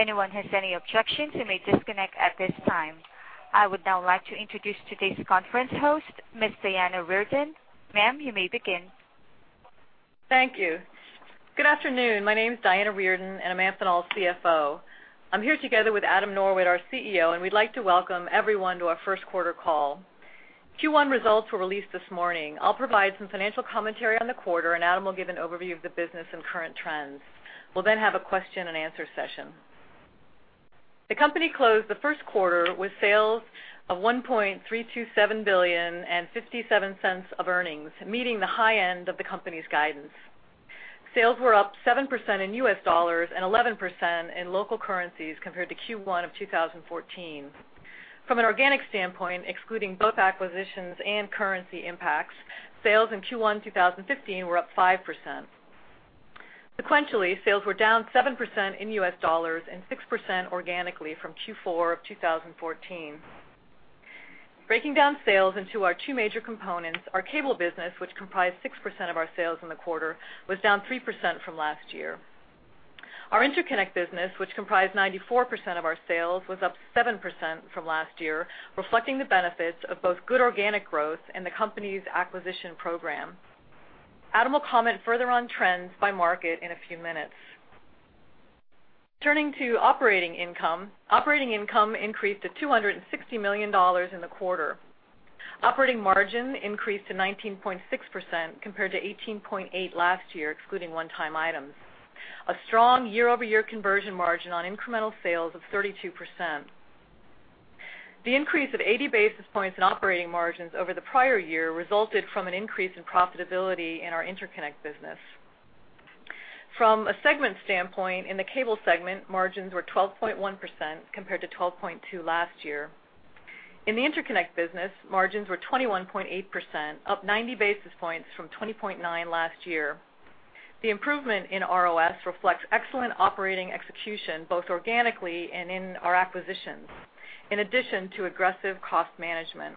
If anyone has any objections, you may disconnect at this time. I would now like to introduce today's conference host, Ms. Diana Reardon. Ma'am, you may begin. Thank you. Good afternoon. My name is Diana Reardon, and I'm Amphenol's CFO. I'm here together with Adam Norwitt, our CEO, and we'd like to welcome everyone to our First Quarter Call. Q1 results were released this morning. I'll provide some financial commentary on the quarter, and Adam will give an overview of the business and current trends. We'll then have a question-and-answer session. The company closed the first quarter with sales of $1.327 billion and $0.57 of earnings, meeting the high end of the company's guidance. Sales were up 7% in US dollars and 11% in local currencies compared to Q1 of 2014. From an organic standpoint, excluding both acquisitions and currency impacts, sales in Q1 2015 were up 5%. Sequentially, sales were down 7% in US dollars and 6% organically from Q4 of 2014. Breaking down sales into our two major components, our cable business, which comprised 6% of our sales in the quarter, was down 3% from last year. Our interconnect business, which comprised 94% of our sales, was up 7% from last year, reflecting the benefits of both good organic growth and the company's acquisition program. Adam will comment further on trends by market in a few minutes. Turning to operating income, operating income increased to $260 million in the quarter. Operating margin increased to 19.6% compared to 18.8% last year, excluding one-time items. A strong year-over-year conversion margin on incremental sales of 32%. The increase of 80 basis points in operating margins over the prior year resulted from an increase in profitability in our interconnect business. From a segment standpoint, in the cable segment, margins were 12.1% compared to 12.2% last year. In the interconnect business, margins were 21.8%, up 90 basis points from 20.9% last year. The improvement in ROS reflects excellent operating execution, both organically and in our acquisitions, in addition to aggressive cost management.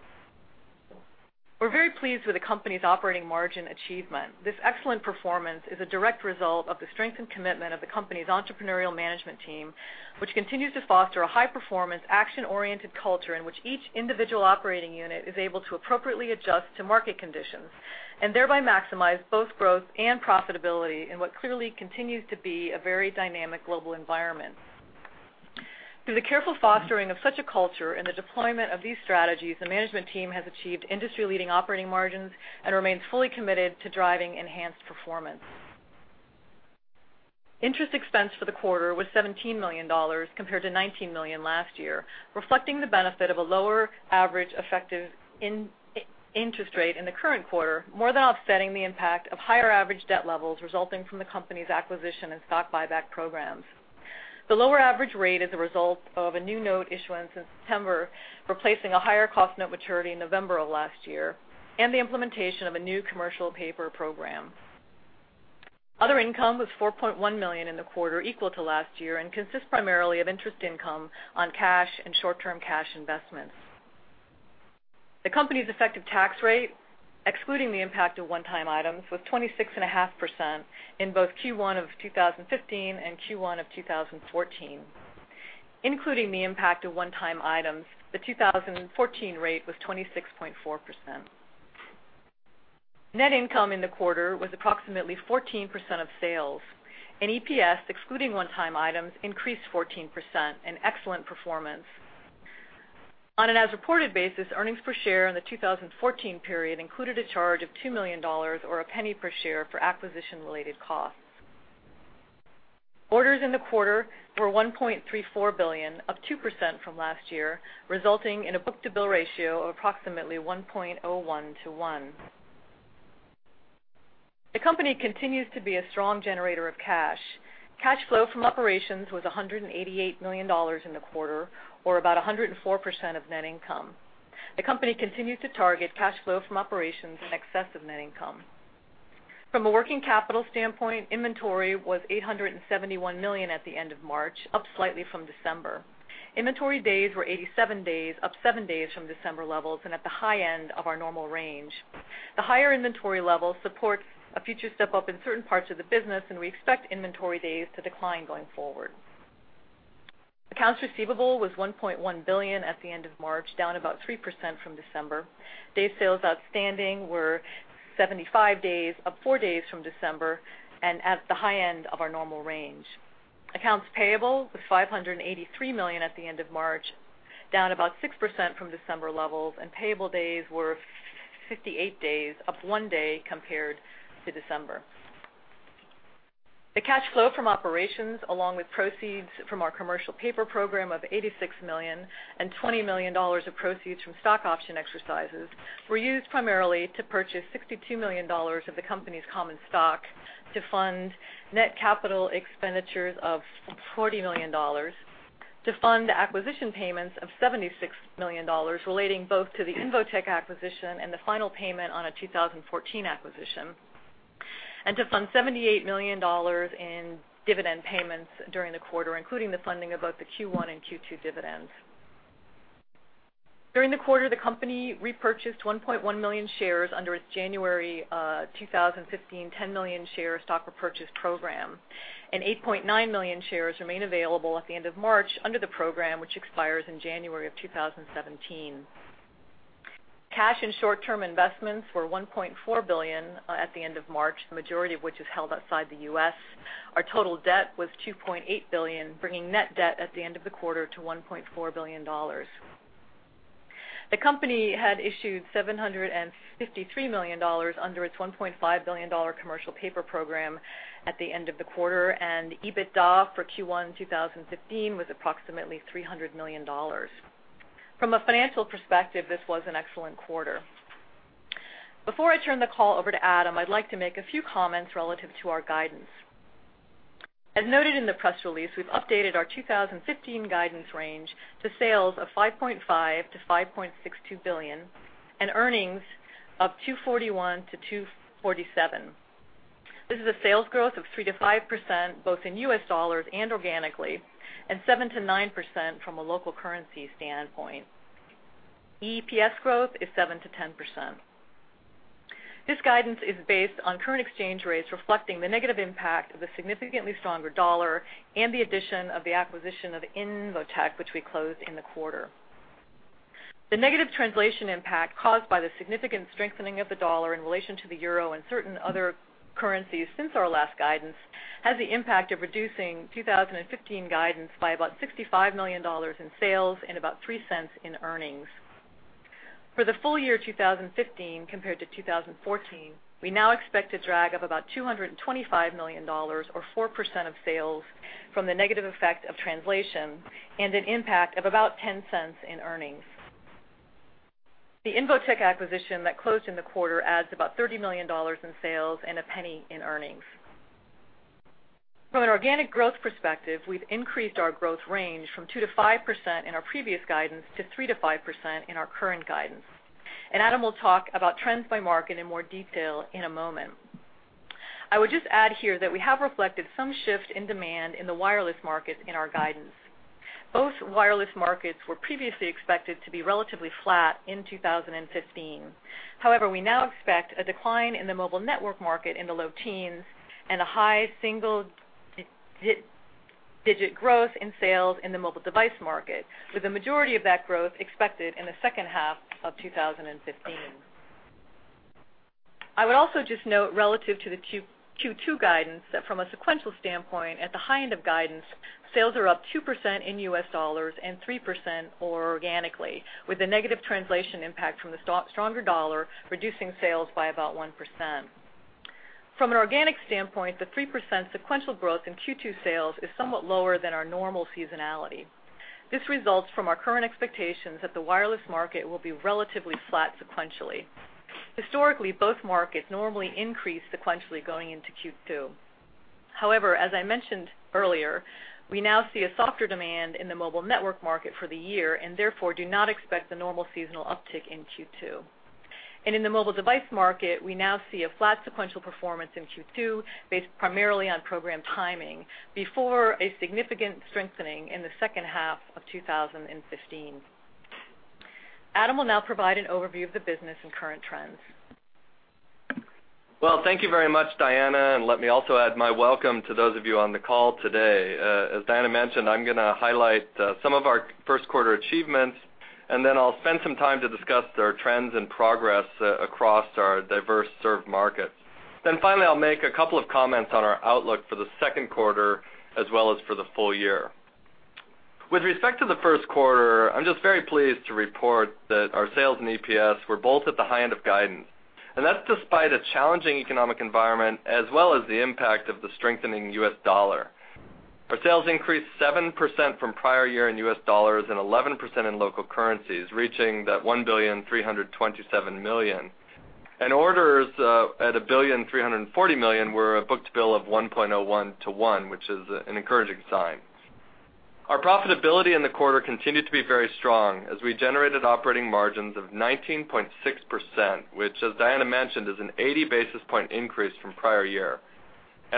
We're very pleased with the company's operating margin achievement. This excellent performance is a direct result of the strength and commitment of the company's entrepreneurial management team, which continues to foster a high-performance, action-oriented culture in which each individual operating unit is able to appropriately adjust to market conditions and thereby maximize both growth and profitability in what clearly continues to be a very dynamic global environment. Through the careful fostering of such a culture and the deployment of these strategies, the management team has achieved industry-leading operating margins and remains fully committed to driving enhanced performance. Interest expense for the quarter was $17 million compared to $19 million last year, reflecting the benefit of a lower average effective interest rate in the current quarter, more than offsetting the impact of higher average debt levels resulting from the company's acquisition and stock buyback programs. The lower average rate is a result of a new note issuance in September, replacing a higher cost note maturity in November of last year, and the implementation of a new commercial paper program. Other income was $4.1 million in the quarter, equal to last year, and consists primarily of interest income on cash and short-term cash investments. The company's effective tax rate, excluding the impact of one-time items, was 26.5% in both Q1 of 2015 and Q1 of 2014. Including the impact of one-time items, the 2014 rate was 26.4%. Net income in the quarter was approximately 14% of sales. EPS, excluding one-time items, increased 14%, an excellent performance. On an as-reported basis, earnings per share in the 2014 period included a charge of $2 million or a penny per share for acquisition-related costs. Orders in the quarter were $1.34 billion, up 2% from last year, resulting in a book-to-bill ratio of approximately 1.01 to 1. The company continues to be a strong generator of cash. Cash flow from operations was $188 million in the quarter, or about 104% of net income. The company continues to target cash flow from operations in excess of net income. From a working capital standpoint, inventory was $871 million at the end of March, up slightly from December. Inventory days were 87 days, up seven days from December levels and at the high end of our normal range. The higher inventory level supports a future step up in certain parts of the business, and we expect inventory days to decline going forward. Accounts receivable was $1.1 billion at the end of March, down about 3% from December. Days sales outstanding were 75 days, up four days from December and at the high end of our normal range. Accounts payable was $583 million at the end of March, down about 6% from December levels, and payable days were 58 days, up one day compared to December. The cash flow from operations, along with proceeds from our commercial paper program of $86 million and $20 million of proceeds from stock option exercises, were used primarily to purchase $62 million of the company's common stock, to fund net capital expenditures of $40 million, to fund acquisition payments of $76 million relating both to the Invotec acquisition and the final payment on a 2014 acquisition, and to fund $78 million in dividend payments during the quarter, including the funding of both the Q1 and Q2 dividends. During the quarter, the company repurchased 1.1 million shares under its January 2015 10 million share stock repurchase program, and 8.9 million shares remain available at the end of March under the program, which expires in January of 2017. Cash and short-term investments were $1.4 billion at the end of March, the majority of which is held outside the U.S. Our total debt was $2.8 billion, bringing net debt at the end of the quarter to $1.4 billion. The company had issued $753 million under its $1.5 billion commercial paper program at the end of the quarter, and EBITDA for Q1 2015 was approximately $300 million. From a financial perspective, this was an excellent quarter. Before I turn the call over to Adam, I'd like to make a few comments relative to our guidance. As noted in the press release, we've updated our 2015 guidance range to sales of $5.5billion-$5.62 billion and earnings of $241million-$247million. This is a sales growth of 3%-5% both in US dollars and organically, and 7%-9% from a local currency standpoint. EPS growth is 7%-10%. This guidance is based on current exchange rates reflecting the negative impact of the significantly stronger dollar and the addition of the acquisition of Invotec, which we closed in the quarter. The negative translation impact caused by the significant strengthening of the dollar in relation to the Euro and certain other currencies since our last guidance has the impact of reducing 2015 guidance by about $65 million in sales and about three cents in earnings. For the full year 2015 compared to 2014, we now expect a drag of about $225 million, or 4% of sales, from the negative effect of translation and an impact of about 10 cents in earnings. The Invotec acquisition that closed in the quarter adds about $30 million in sales and a penny in earnings. From an organic growth perspective, we've increased our growth range from 2%-5% in our previous guidance to 3%-5% in our current guidance. Adam will talk about trends by market in more detail in a moment. I would just add here that we have reflected some shift in demand in the wireless markets in our guidance. Both wireless markets were previously expected to be relatively flat in 2015. However, we now expect a decline in the mobile network market in the low teens and a high single-digit growth in sales in the mobile device market, with the majority of that growth expected in the second half of 2015. I would also just note relative to the Q2 guidance that from a sequential standpoint, at the high end of guidance, sales are up 2% in US dollars and 3% organically, with the negative translation impact from the stronger dollar reducing sales by about 1%. From an organic standpoint, the 3% sequential growth in Q2 sales is somewhat lower than our normal seasonality. This results from our current expectations that the wireless market will be relatively flat sequentially. Historically, both markets normally increased sequentially going into Q2. However, as I mentioned earlier, we now see a softer demand in the mobile network market for the year and therefore do not expect the normal seasonal uptick in Q2. In the mobile device market, we now see a flat sequential performance in Q2 based primarily on program timing before a significant strengthening in the second half of 2015. Adam will now provide an overview of the business and current trends. Well, thank you very much, Diana. And let me also add my welcome to those of you on the call today. As Diana mentioned, I'm going to highlight some of our first quarter achievements, and then I'll spend some time to discuss our trends and progress across our diverse served markets. Then finally, I'll make a couple of comments on our outlook for the second quarter as well as for the full year. With respect to the first quarter, I'm just very pleased to report that our sales and EPS were both at the high end of guidance. And that's despite a challenging economic environment as well as the impact of the strengthening US dollar. Our sales increased 7% from prior year in US dollars and 11% in local currencies, reaching that $1,327 million. Orders at $1,340 million were a book-to-bill of 1.01-1, which is an encouraging sign. Our profitability in the quarter continued to be very strong as we generated operating margins of 19.6%, which, as Diana mentioned, is an 80 basis point increase from prior year.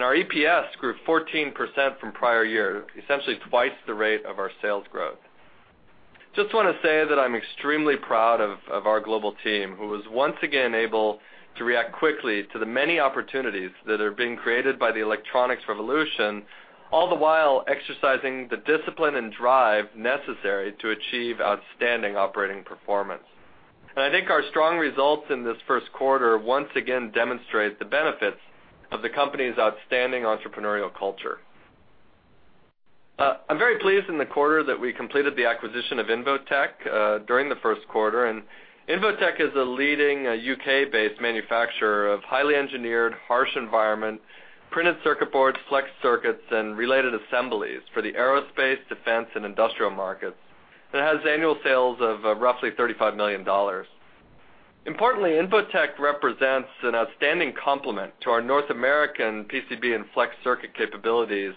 Our EPS grew 14% from prior year, essentially twice the rate of our sales growth. Just want to say that I'm extremely proud of our global team, who was once again able to react quickly to the many opportunities that are being created by the electronics revolution, all the while exercising the discipline and drive necessary to achieve outstanding operating performance. I think our strong results in this first quarter once again demonstrate the benefits of the company's outstanding entrepreneurial culture. I'm very pleased in the quarter that we completed the acquisition of Invotec during the first quarter. Invotec is a leading UK-based manufacturer of highly engineered, harsh environment, printed circuit boards, flex circuits, and related assemblies for the aerospace, defense, and industrial markets. It has annual sales of roughly $35 million. Importantly, Invotec represents an outstanding complement to our North American PCB and flex circuit capabilities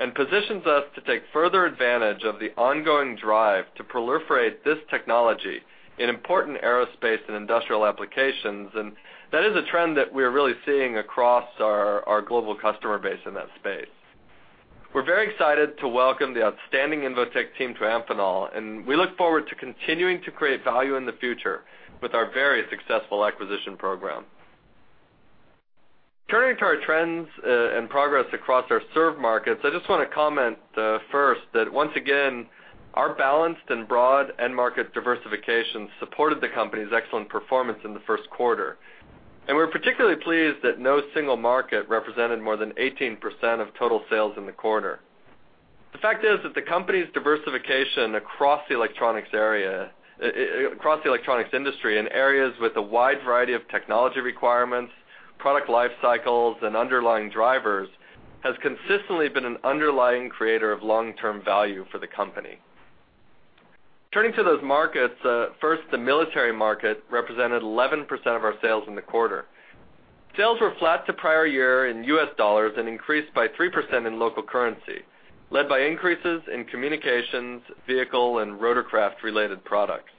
and positions us to take further advantage of the ongoing drive to proliferate this technology in important aerospace and industrial applications. And that is a trend that we are really seeing across our global customer base in that space. We're very excited to welcome the outstanding Invotec team to Amphenol, and we look forward to continuing to create value in the future with our very successful acquisition program. Turning to our trends and progress across our served markets, I just want to comment first that once again, our balanced and broad end market diversification supported the company's excellent performance in the first quarter. We're particularly pleased that no single market represented more than 18% of total sales in the quarter. The fact is that the company's diversification across the electronics industry in areas with a wide variety of technology requirements, product life cycles, and underlying drivers has consistently been an underlying creator of long-term value for the company. Turning to those markets, first, the military market represented 11% of our sales in the quarter. Sales were flat to prior year in US dollars and increased by 3% in local currency, led by increases in communications, vehicle, and rotorcraft-related products.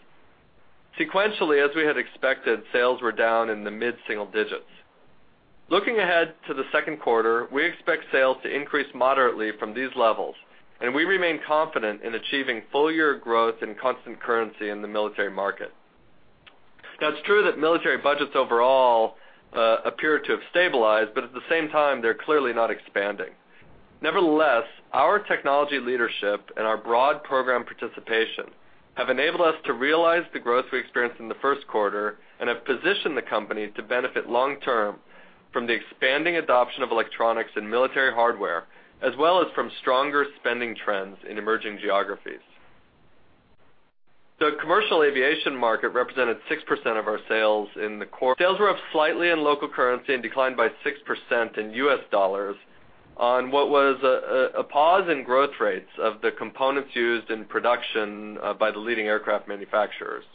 Sequentially, as we had expected, sales were down in the mid-single digits. Looking ahead to the second quarter, we expect sales to increase moderately from these levels, and we remain confident in achieving full-year growth in constant currency in the military market. Now, it's true that military budgets overall appear to have stabilized, but at the same time, they're clearly not expanding. Nevertheless, our technology leadership and our broad program participation have enabled us to realize the growth we experienced in the first quarter and have positioned the company to benefit long-term from the expanding adoption of electronics and military hardware, as well as from stronger spending trends in emerging geographies. The commercial aviation market represented 6% of our sales in the quarter. Sales were up slightly in local currency and declined by 6% in US dollars on what was a pause in growth rates of the components used in production by the leading aircraft manufacturers.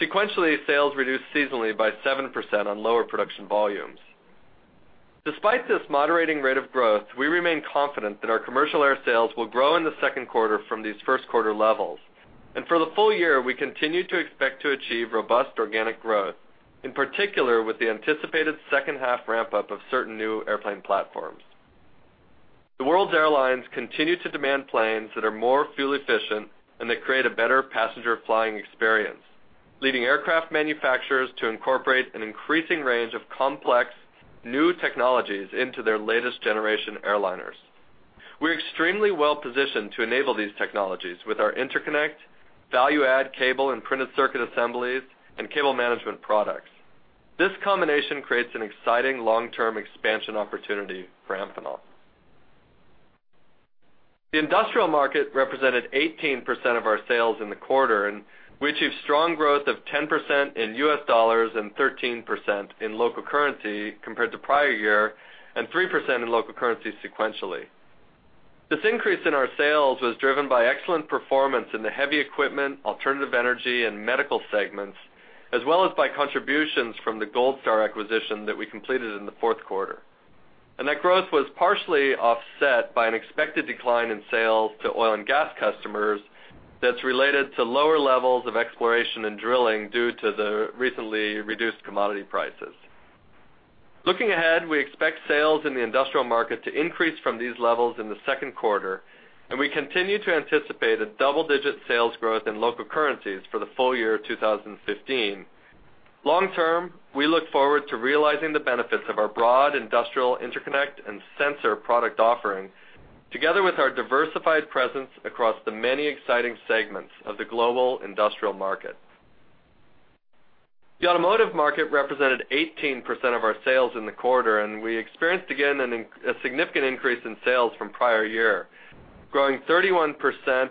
Sequentially, sales reduced seasonally by 7% on lower production volumes. Despite this moderating rate of growth, we remain confident that our commercial air sales will grow in the second quarter from these first quarter levels. For the full year, we continue to expect to achieve robust organic growth, in particular with the anticipated second half ramp-up of certain new airplane platforms. The world's airlines continue to demand planes that are more fuel efficient and that create a better passenger flying experience, leading aircraft manufacturers to incorporate an increasing range of complex new technologies into their latest generation airliners. We're extremely well positioned to enable these technologies with our interconnect, value-add cable and printed circuit assemblies, and cable management products. This combination creates an exciting long-term expansion opportunity for Amphenol. The industrial market represented 18% of our sales in the quarter, and we achieved strong growth of 10% in US dollars and 13% in local currency compared to prior year and 3% in local currency sequentially. This increase in our sales was driven by excellent performance in the heavy equipment, alternative energy, and medical segments, as well as by contributions from the Gold Star acquisition that we completed in the fourth quarter. That growth was partially offset by an expected decline in sales to oil and gas customers that's related to lower levels of exploration and drilling due to the recently reduced commodity prices. Looking ahead, we expect sales in the industrial market to increase from these levels in the second quarter, and we continue to anticipate a double-digit sales growth in local currencies for the full year 2015. Long-term, we look forward to realizing the benefits of our broad industrial interconnect and sensor product offering, together with our diversified presence across the many exciting segments of the global industrial market. The automotive market represented 18% of our sales in the quarter, and we experienced again a significant increase in sales from prior year, growing 31%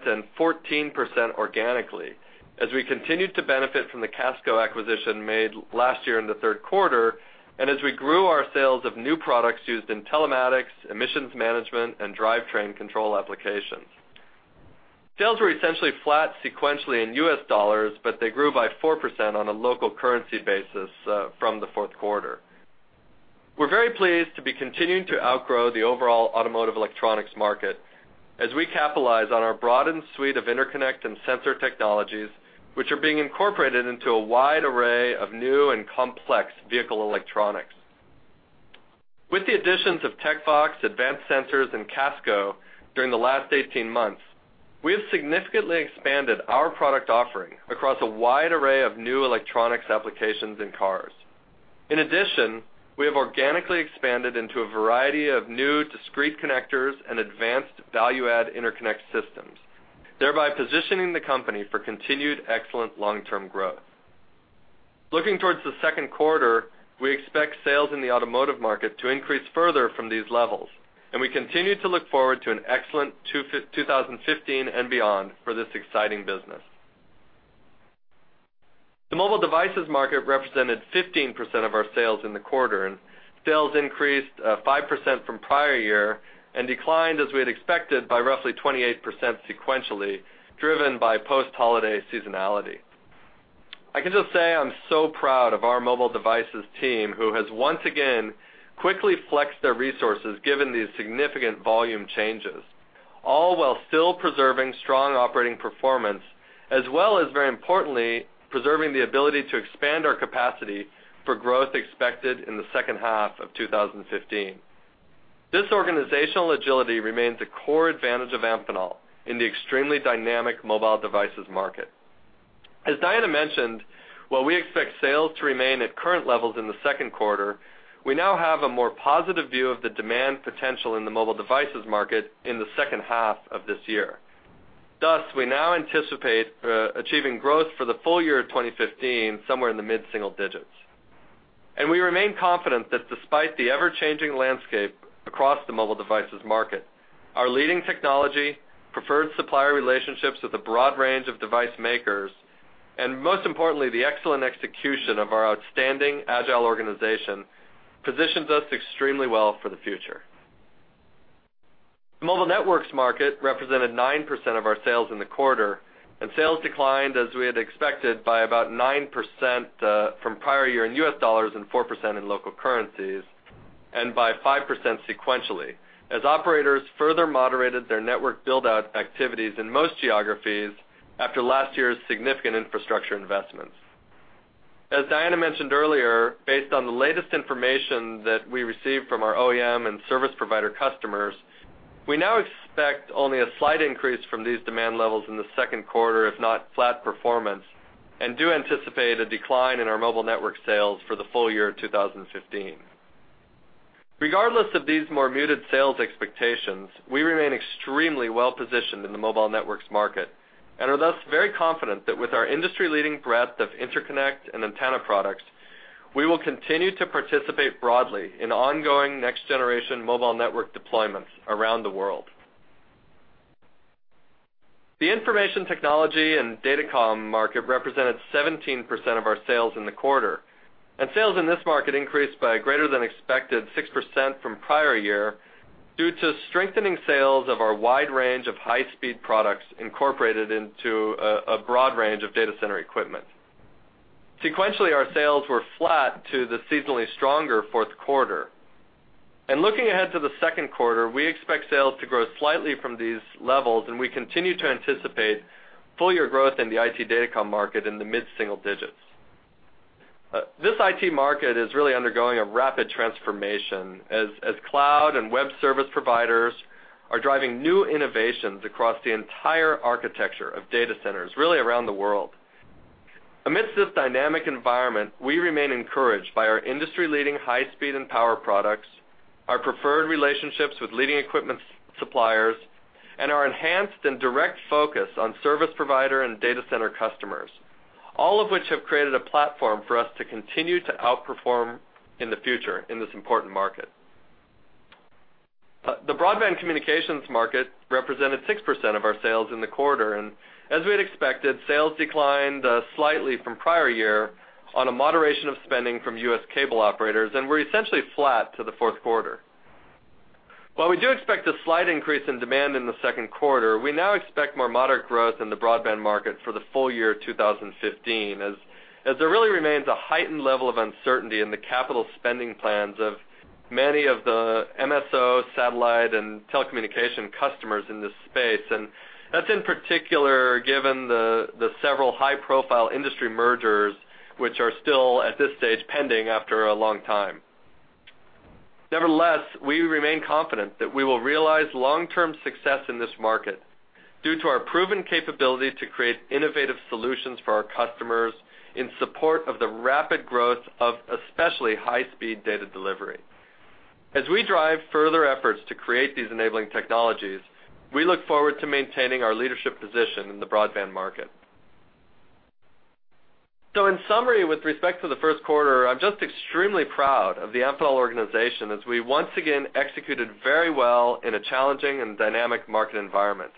and 14% organically as we continued to benefit from the Casco acquisition made last year in the third quarter and as we grew our sales of new products used in telematics, emissions management, and drivetrain control applications. Sales were essentially flat sequentially in US dollars, but they grew by 4% on a local currency basis from the fourth quarter. We're very pleased to be continuing to outgrow the overall automotive electronics market as we capitalize on our broadened suite of interconnect and sensor technologies, which are being incorporated into a wide array of new and complex vehicle electronics. With the additions of Tecvox, Advanced Sensors, and Casco during the last 18 months, we have significantly expanded our product offering across a wide array of new electronics applications and cars. In addition, we have organically expanded into a variety of new discrete connectors and advanced value-add interconnect systems, thereby positioning the company for continued excellent long-term growth. Looking toward the second quarter, we expect sales in the automotive market to increase further from these levels, and we continue to look forward to an excellent 2015 and beyond for this exciting business. The mobile devices market represented 15% of our sales in the quarter, and sales increased 5% from prior year and declined as we had expected by roughly 28% sequentially, driven by post-holiday seasonality. I can just say I'm so proud of our mobile devices team who has once again quickly flexed their resources given these significant volume changes, all while still preserving strong operating performance as well as, very importantly, preserving the ability to expand our capacity for growth expected in the second half of 2015. This organizational agility remains a core advantage of Amphenol in the extremely dynamic mobile devices market. As Diana mentioned, while we expect sales to remain at current levels in the second quarter, we now have a more positive view of the demand potential in the mobile devices market in the second half of this year. Thus, we now anticipate achieving growth for the full year of 2015 somewhere in the mid-single digits. We remain confident that despite the ever-changing landscape across the mobile devices market, our leading technology, preferred supplier relationships with a broad range of device makers, and most importantly, the excellent execution of our outstanding agile organization positions us extremely well for the future. The mobile networks market represented 9% of our sales in the quarter, and sales declined as we had expected by about 9% from prior year in US dollars and 4% in local currencies and by 5% sequentially as operators further moderated their network build-out activities in most geographies after last year's significant infrastructure investments. As Diana mentioned earlier, based on the latest information that we received from our OEM and service provider customers, we now expect only a slight increase from these demand levels in the second quarter, if not flat performance, and do anticipate a decline in our mobile network sales for the full year of 2015. Regardless of these more muted sales expectations, we remain extremely well positioned in the mobile networks market and are thus very confident that with our industry-leading breadth of interconnect and antenna products, we will continue to participate broadly in ongoing next-generation mobile network deployments around the world. The information technology and datacom market represented 17% of our sales in the quarter, and sales in this market increased by greater than expected 6% from prior year due to strengthening sales of our wide range of high-speed products incorporated into a broad range of data center equipment. Sequentially, our sales were flat to the seasonally stronger fourth quarter. Looking ahead to the second quarter, we expect sales to grow slightly from these levels, and we continue to anticipate full-year growth in the IT Datacom market in the mid-single digits. This IT market is really undergoing a rapid transformation as cloud and web service providers are driving new innovations across the entire architecture of data centers really around the world. Amidst this dynamic environment, we remain encouraged by our industry-leading high-speed and power products, our preferred relationships with leading equipment suppliers, and our enhanced and direct focus on service provider and data center customers, all of which have created a platform for us to continue to outperform in the future in this important market. The broadband communications market represented 6% of our sales in the quarter, and as we had expected, sales declined slightly from prior year on a moderation of spending from US cable operators and were essentially flat to the fourth quarter. While we do expect a slight increase in demand in the second quarter, we now expect more moderate growth in the broadband market for the full year 2015 as there really remains a heightened level of uncertainty in the capital spending plans of many of the MSO, satellite, and telecommunication customers in this space. That's in particular given the several high-profile industry mergers, which are still at this stage pending after a long time. Nevertheless, we remain confident that we will realize long-term success in this market due to our proven capability to create innovative solutions for our customers in support of the rapid growth of especially high-speed data delivery. As we drive further efforts to create these enabling technologies, we look forward to maintaining our leadership position in the broadband market. So in summary, with respect to the first quarter, I'm just extremely proud of the Amphenol organization as we once again executed very well in a challenging and dynamic market environment.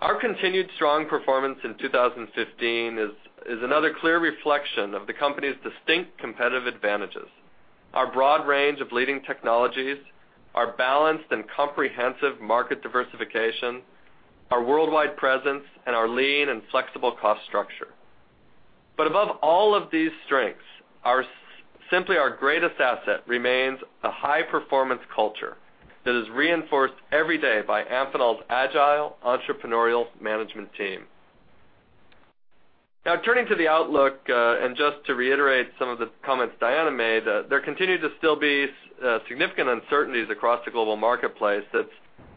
Our continued strong performance in 2015 is another clear reflection of the company's distinct competitive advantages, our broad range of leading technologies, our balanced and comprehensive market diversification, our worldwide presence, and our lean and flexible cost structure. But above all of these strengths, simply our greatest asset remains a high-performance culture that is reinforced every day by Amphenol's agile entrepreneurial management team. Now, turning to the outlook and just to reiterate some of the comments Diana made, there continue to still be significant uncertainties across the global marketplace that's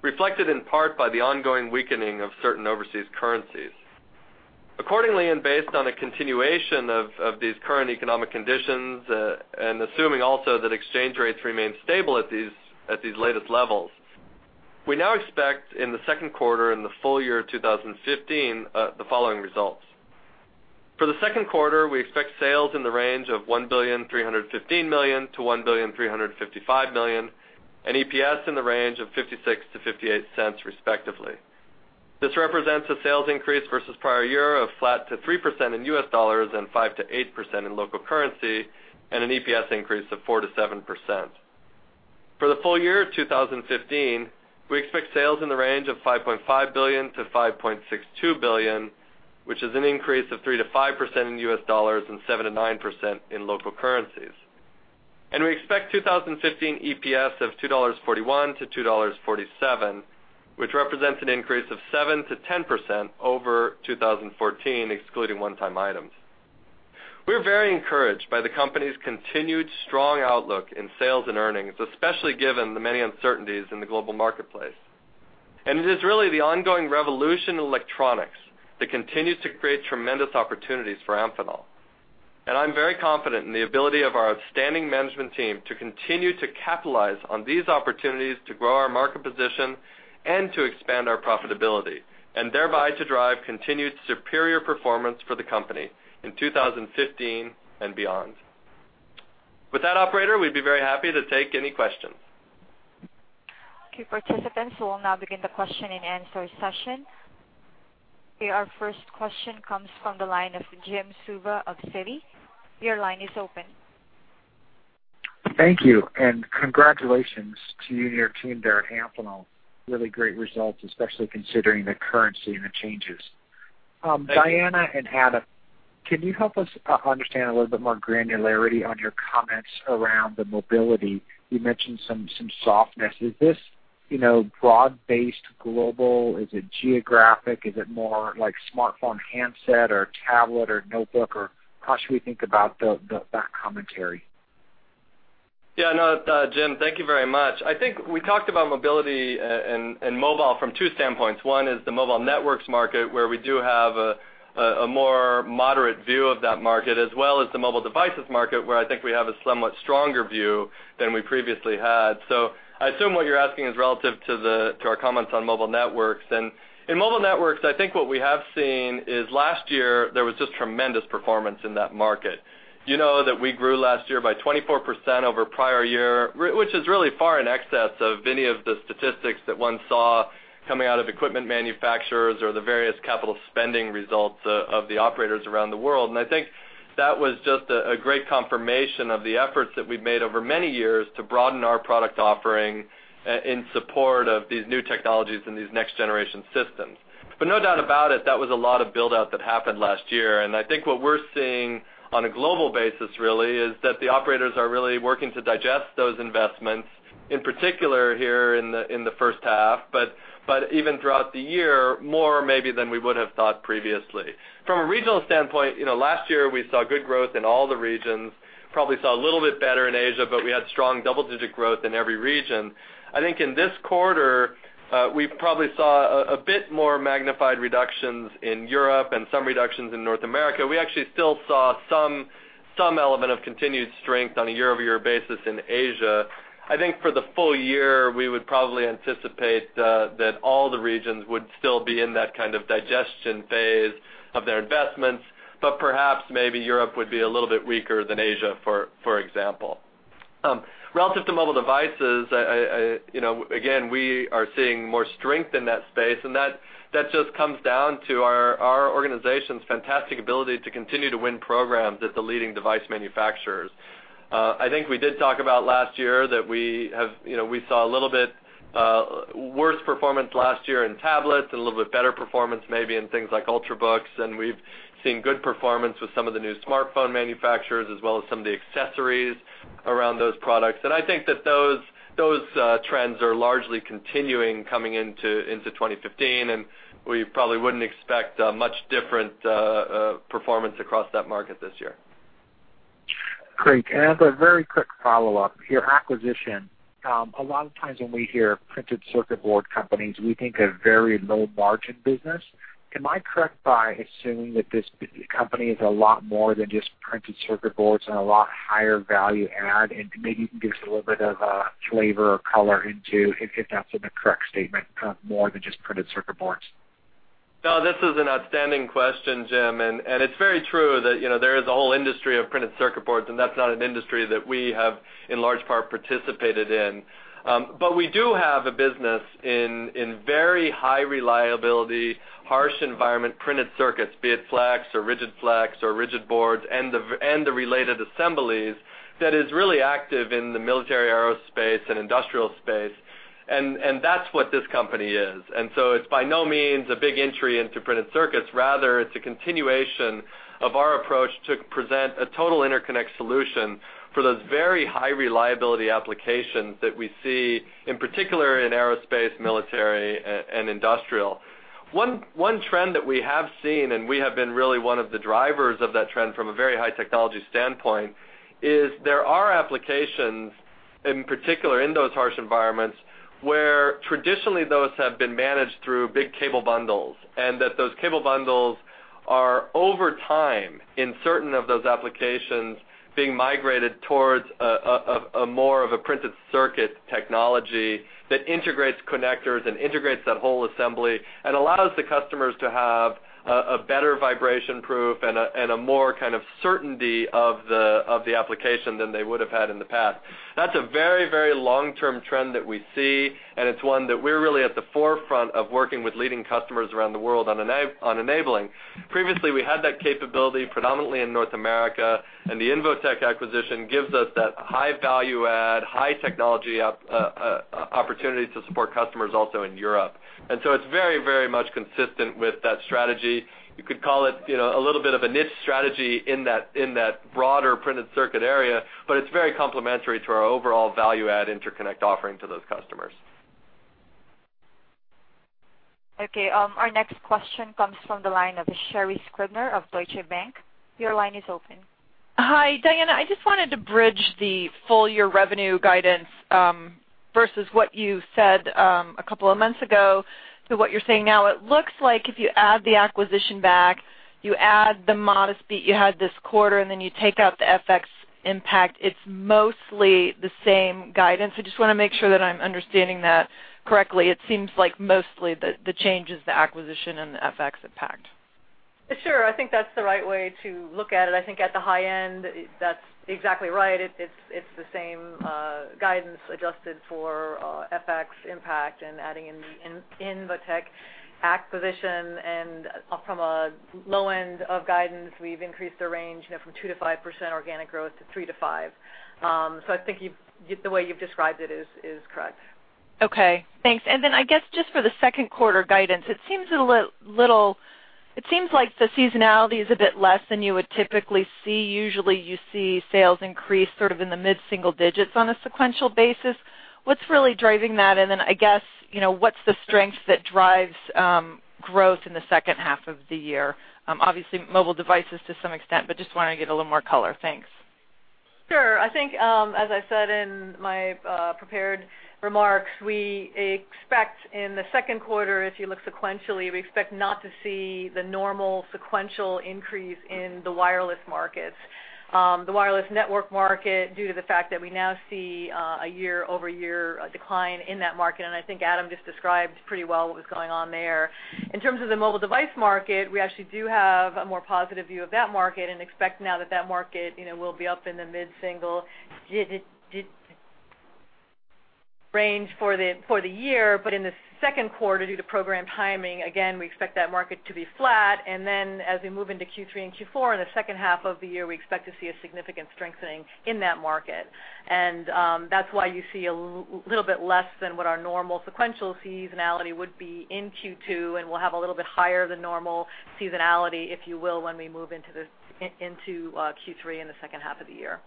reflected in part by the ongoing weakening of certain overseas currencies. Accordingly, and based on a continuation of these current economic conditions and assuming also that exchange rates remain stable at these latest levels, we now expect in the second quarter and the full year 2015 the following results. For the second quarter, we expect sales in the range of $1.315 billion-$1.355 billion and EPS in the range of $0.56-$0.58 respectively. This represents a sales increase versus prior year of flat to 3% in US dollars and 5%-8% in local currency and an EPS increase of 4%-7%. For the full year 2015, we expect sales in the range of $5.5 billion-$5.62 billion, which is an increase of 3%-5% in US dollars and 7%-9% in local currencies. We expect 2015 EPS of $2.41-$2.47, which represents an increase of 7%-10% over 2014 excluding one-time items. We're very encouraged by the company's continued strong outlook in sales and earnings, especially given the many uncertainties in the global marketplace. It is really the ongoing revolution in electronics that continues to create tremendous opportunities for Amphenol. I'm very confident in the ability of our outstanding management team to continue to capitalize on these opportunities to grow our market position and to expand our profitability and thereby to drive continued superior performance for the company in 2015 and beyond. With that, Operator, we'd be very happy to take any questions. Okay. Participants will now begin the question and answer session. Our first question comes from the line of Jim Suva of Citi. Your line is open. Thank you. Congratulations to you and your team there at Amphenol. Really great results, especially considering the currency and the changes. Diana and Adam, can you help us understand a little bit more granularity on your comments around the mobility? You mentioned some softness. Is this broad-based global? Is it geographic? Is it more like smartphone handset or tablet or notebook? Or how should we think about that commentary? Yeah. No, Jim, thank you very much. I think we talked about mobility and mobile from two standpoints. One is the mobile networks market where we do have a more moderate view of that market, as well as the mobile devices market where I think we have a somewhat stronger view than we previously had. So I assume what you're asking is relative to our comments on mobile networks. In mobile networks, I think what we have seen is last year there was just tremendous performance in that market. You know that we grew last year by 24% over prior year, which is really far in excess of any of the statistics that one saw coming out of equipment manufacturers or the various capital spending results of the operators around the world. I think that was just a great confirmation of the efforts that we've made over many years to broaden our product offering in support of these new technologies and these next-generation systems. No doubt about it, that was a lot of build-out that happened last year. I think what we're seeing on a global basis really is that the operators are really working to digest those investments, in particular here in the first half, but even throughout the year, more maybe than we would have thought previously. From a regional standpoint, last year we saw good growth in all the regions, probably saw a little bit better in Asia, but we had strong double-digit growth in every region. I think in this quarter, we probably saw a bit more magnified reductions in Europe and some reductions in North America. We actually still saw some element of continued strength on a year-over-year basis in Asia. I think for the full year, we would probably anticipate that all the regions would still be in that kind of digestion phase of their investments, but perhaps maybe Europe would be a little bit weaker than Asia, for example. Relative to mobile devices, again, we are seeing more strength in that space, and that just comes down to our organization's fantastic ability to continue to win programs at the leading device manufacturers. I think we did talk about last year that we saw a little bit worse performance last year in tablets and a little bit better performance maybe in things like Ultrabooks, and we've seen good performance with some of the new smartphone manufacturers as well as some of the accessories around those products. I think that those trends are largely continuing coming into 2015, and we probably wouldn't expect much different performance across that market this year. Great. I have a very quick follow-up here. Acquisition, a lot of times when we hear printed circuit board companies, we think of very low-margin business. Am I correct by assuming that this company is a lot more than just printed circuit boards and a lot higher value add? And maybe you can give us a little bit of flavor or color into if that's a correct statement, more than just printed circuit boards. No, this is an outstanding question, Jim, and it's very true that there is a whole industry of printed circuit boards, and that's not an industry that we have in large part participated in. But we do have a business in very high reliability, harsh environment printed circuits, be it flex or rigid flex or rigid boards and the related assemblies that is really active in the military aerospace and industrial space, and that's what this company is. And so it's by no means a big entry into printed circuits. Rather, it's a continuation of our approach to present a total interconnect solution for those very high reliability applications that we see, in particular in aerospace, military, and industrial. One trend that we have seen, and we have been really one of the drivers of that trend from a very high technology standpoint, is there are applications in particular in those harsh environments where traditionally those have been managed through big cable bundles and that those cable bundles are over time in certain of those applications being migrated towards more of a printed circuit technology that integrates connectors and integrates that whole assembly and allows the customers to have a better vibration proof and a more kind of certainty of the application than they would have had in the past. That's a very, very long-term trend that we see, and it's one that we're really at the forefront of working with leading customers around the world on enabling. Previously, we had that capability predominantly in North America, and the Invotec acquisition gives us that high value add, high technology opportunity to support customers also in Europe. And so it's very, very much consistent with that strategy. You could call it a little bit of a niche strategy in that broader printed circuit area, but it's very complementary to our overall value add interconnect offering to those customers. Okay. Our next question comes from the line of Sherri Scribner of Deutsche Bank. Your line is open. Hi, Diana. I just wanted to bridge the full-year revenue guidance versus what you said a couple of months ago to what you're saying now. It looks like if you add the acquisition back, you add the modest beat you had this quarter, and then you take out the FX impact, it's mostly the same guidance. I just want to make sure that I'm understanding that correctly. It seems like mostly the change is the acquisition and the FX impact. Sure. I think that's the right way to look at it. I think at the high end, that's exactly right. It's the same guidance adjusted for FX impact and adding in the Invotec acquisition. And from a low end of guidance, we've increased the range from 2%-5% organic growth to 3%-5%. So I think the way you've described it is correct. Okay. Thanks. And then I guess just for the second quarter guidance, it seems a little like the seasonality is a bit less than you would typically see. Usually, you see sales increase sort of in the mid-single digits on a sequential basis. What's really driving that? And then I guess what's the strength that drives growth in the second half of the year? Obviously, mobile devices to some extent, but just want to get a little more color. Thanks. Sure. I think, as I said in my prepared remarks, we expect in the second quarter, if you look sequentially, we expect not to see the normal sequential increase in the wireless markets, the wireless network market due to the fact that we now see a year-over-year decline in that market. And I think Adam just described pretty well what was going on there. In terms of the mobile device market, we actually do have a more positive view of that market and expect now that that market will be up in the mid-single range for the year. But in the second quarter, due to program timing, again, we expect that market to be flat. And then as we move into Q3 and Q4 in the second half of the year, we expect to see a significant strengthening in that market. And that's why you see a little bit less than what our normal sequential seasonality would be in Q2, and we'll have a little bit higher than normal seasonality, if you will, when we move into Q3 in the second half of the year.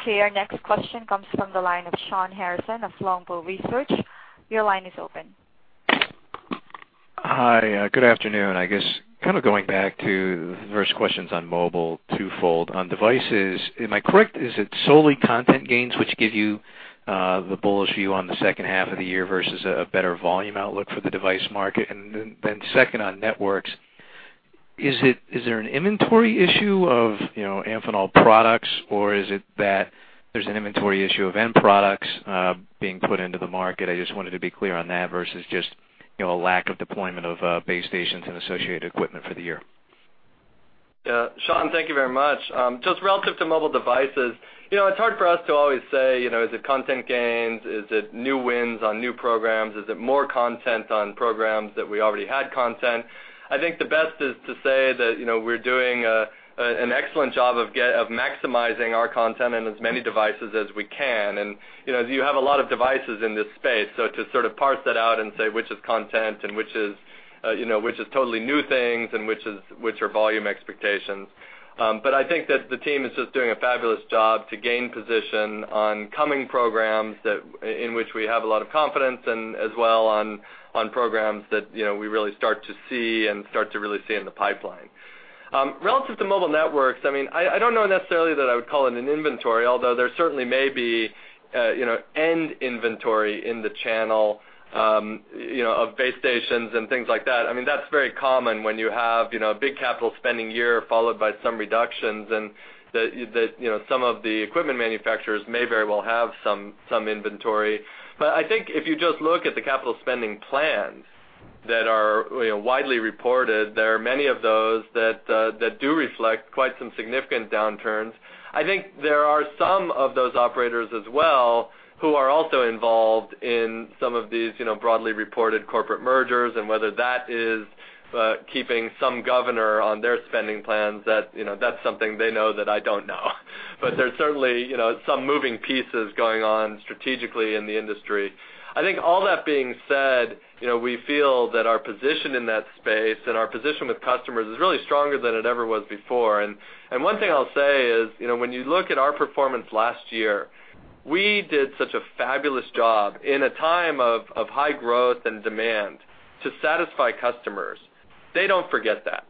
Okay. Our next question comes from the line of Shawn Harrison of Longbow Research. Your line is open. Hi. Good afternoon. I guess kind of going back to the first questions on mobile, two-fold. On devices, am I correct? Is it solely content gains which give you the bullish view on the second half of the year versus a better volume outlook for the device market? And then second, on networks, is there an inventory issue of Amphenol products, or is it that there's an inventory issue of end products being put into the market? I just wanted to be clear on that versus just a lack of deployment of base stations and associated equipment for the year. Shawn, thank you very much. So it's relative to mobile devices. It's hard for us to always say, is it content gains? Is it new wins on new programs? Is it more content on programs that we already had content? I think the best is to say that we're doing an excellent job of maximizing our content on as many devices as we can. And you have a lot of devices in this space, so to sort of parse that out and say which is content and which is totally new things and which are volume expectations. But I think that the team is just doing a fabulous job to gain position on coming programs in which we have a lot of confidence and as well on programs that we really start to see and start to really see in the pipeline. Relative to mobile networks, I mean, I don't know necessarily that I would call it an inventory, although there certainly may be end inventory in the channel of base stations and things like that. I mean, that's very common when you have a big capital spending year followed by some reductions and that some of the equipment manufacturers may very well have some inventory. But I think if you just look at the capital spending plans that are widely reported, there are many of those that do reflect quite some significant downturns. I think there are some of those operators as well who are also involved in some of these broadly reported corporate mergers and whether that is keeping some governor on their spending plans, that's something they know that I don't know. But there's certainly some moving pieces going on strategically in the industry. I think all that being said, we feel that our position in that space and our position with customers is really stronger than it ever was before. And one thing I'll say is when you look at our performance last year, we did such a fabulous job in a time of high growth and demand to satisfy customers. They don't forget that.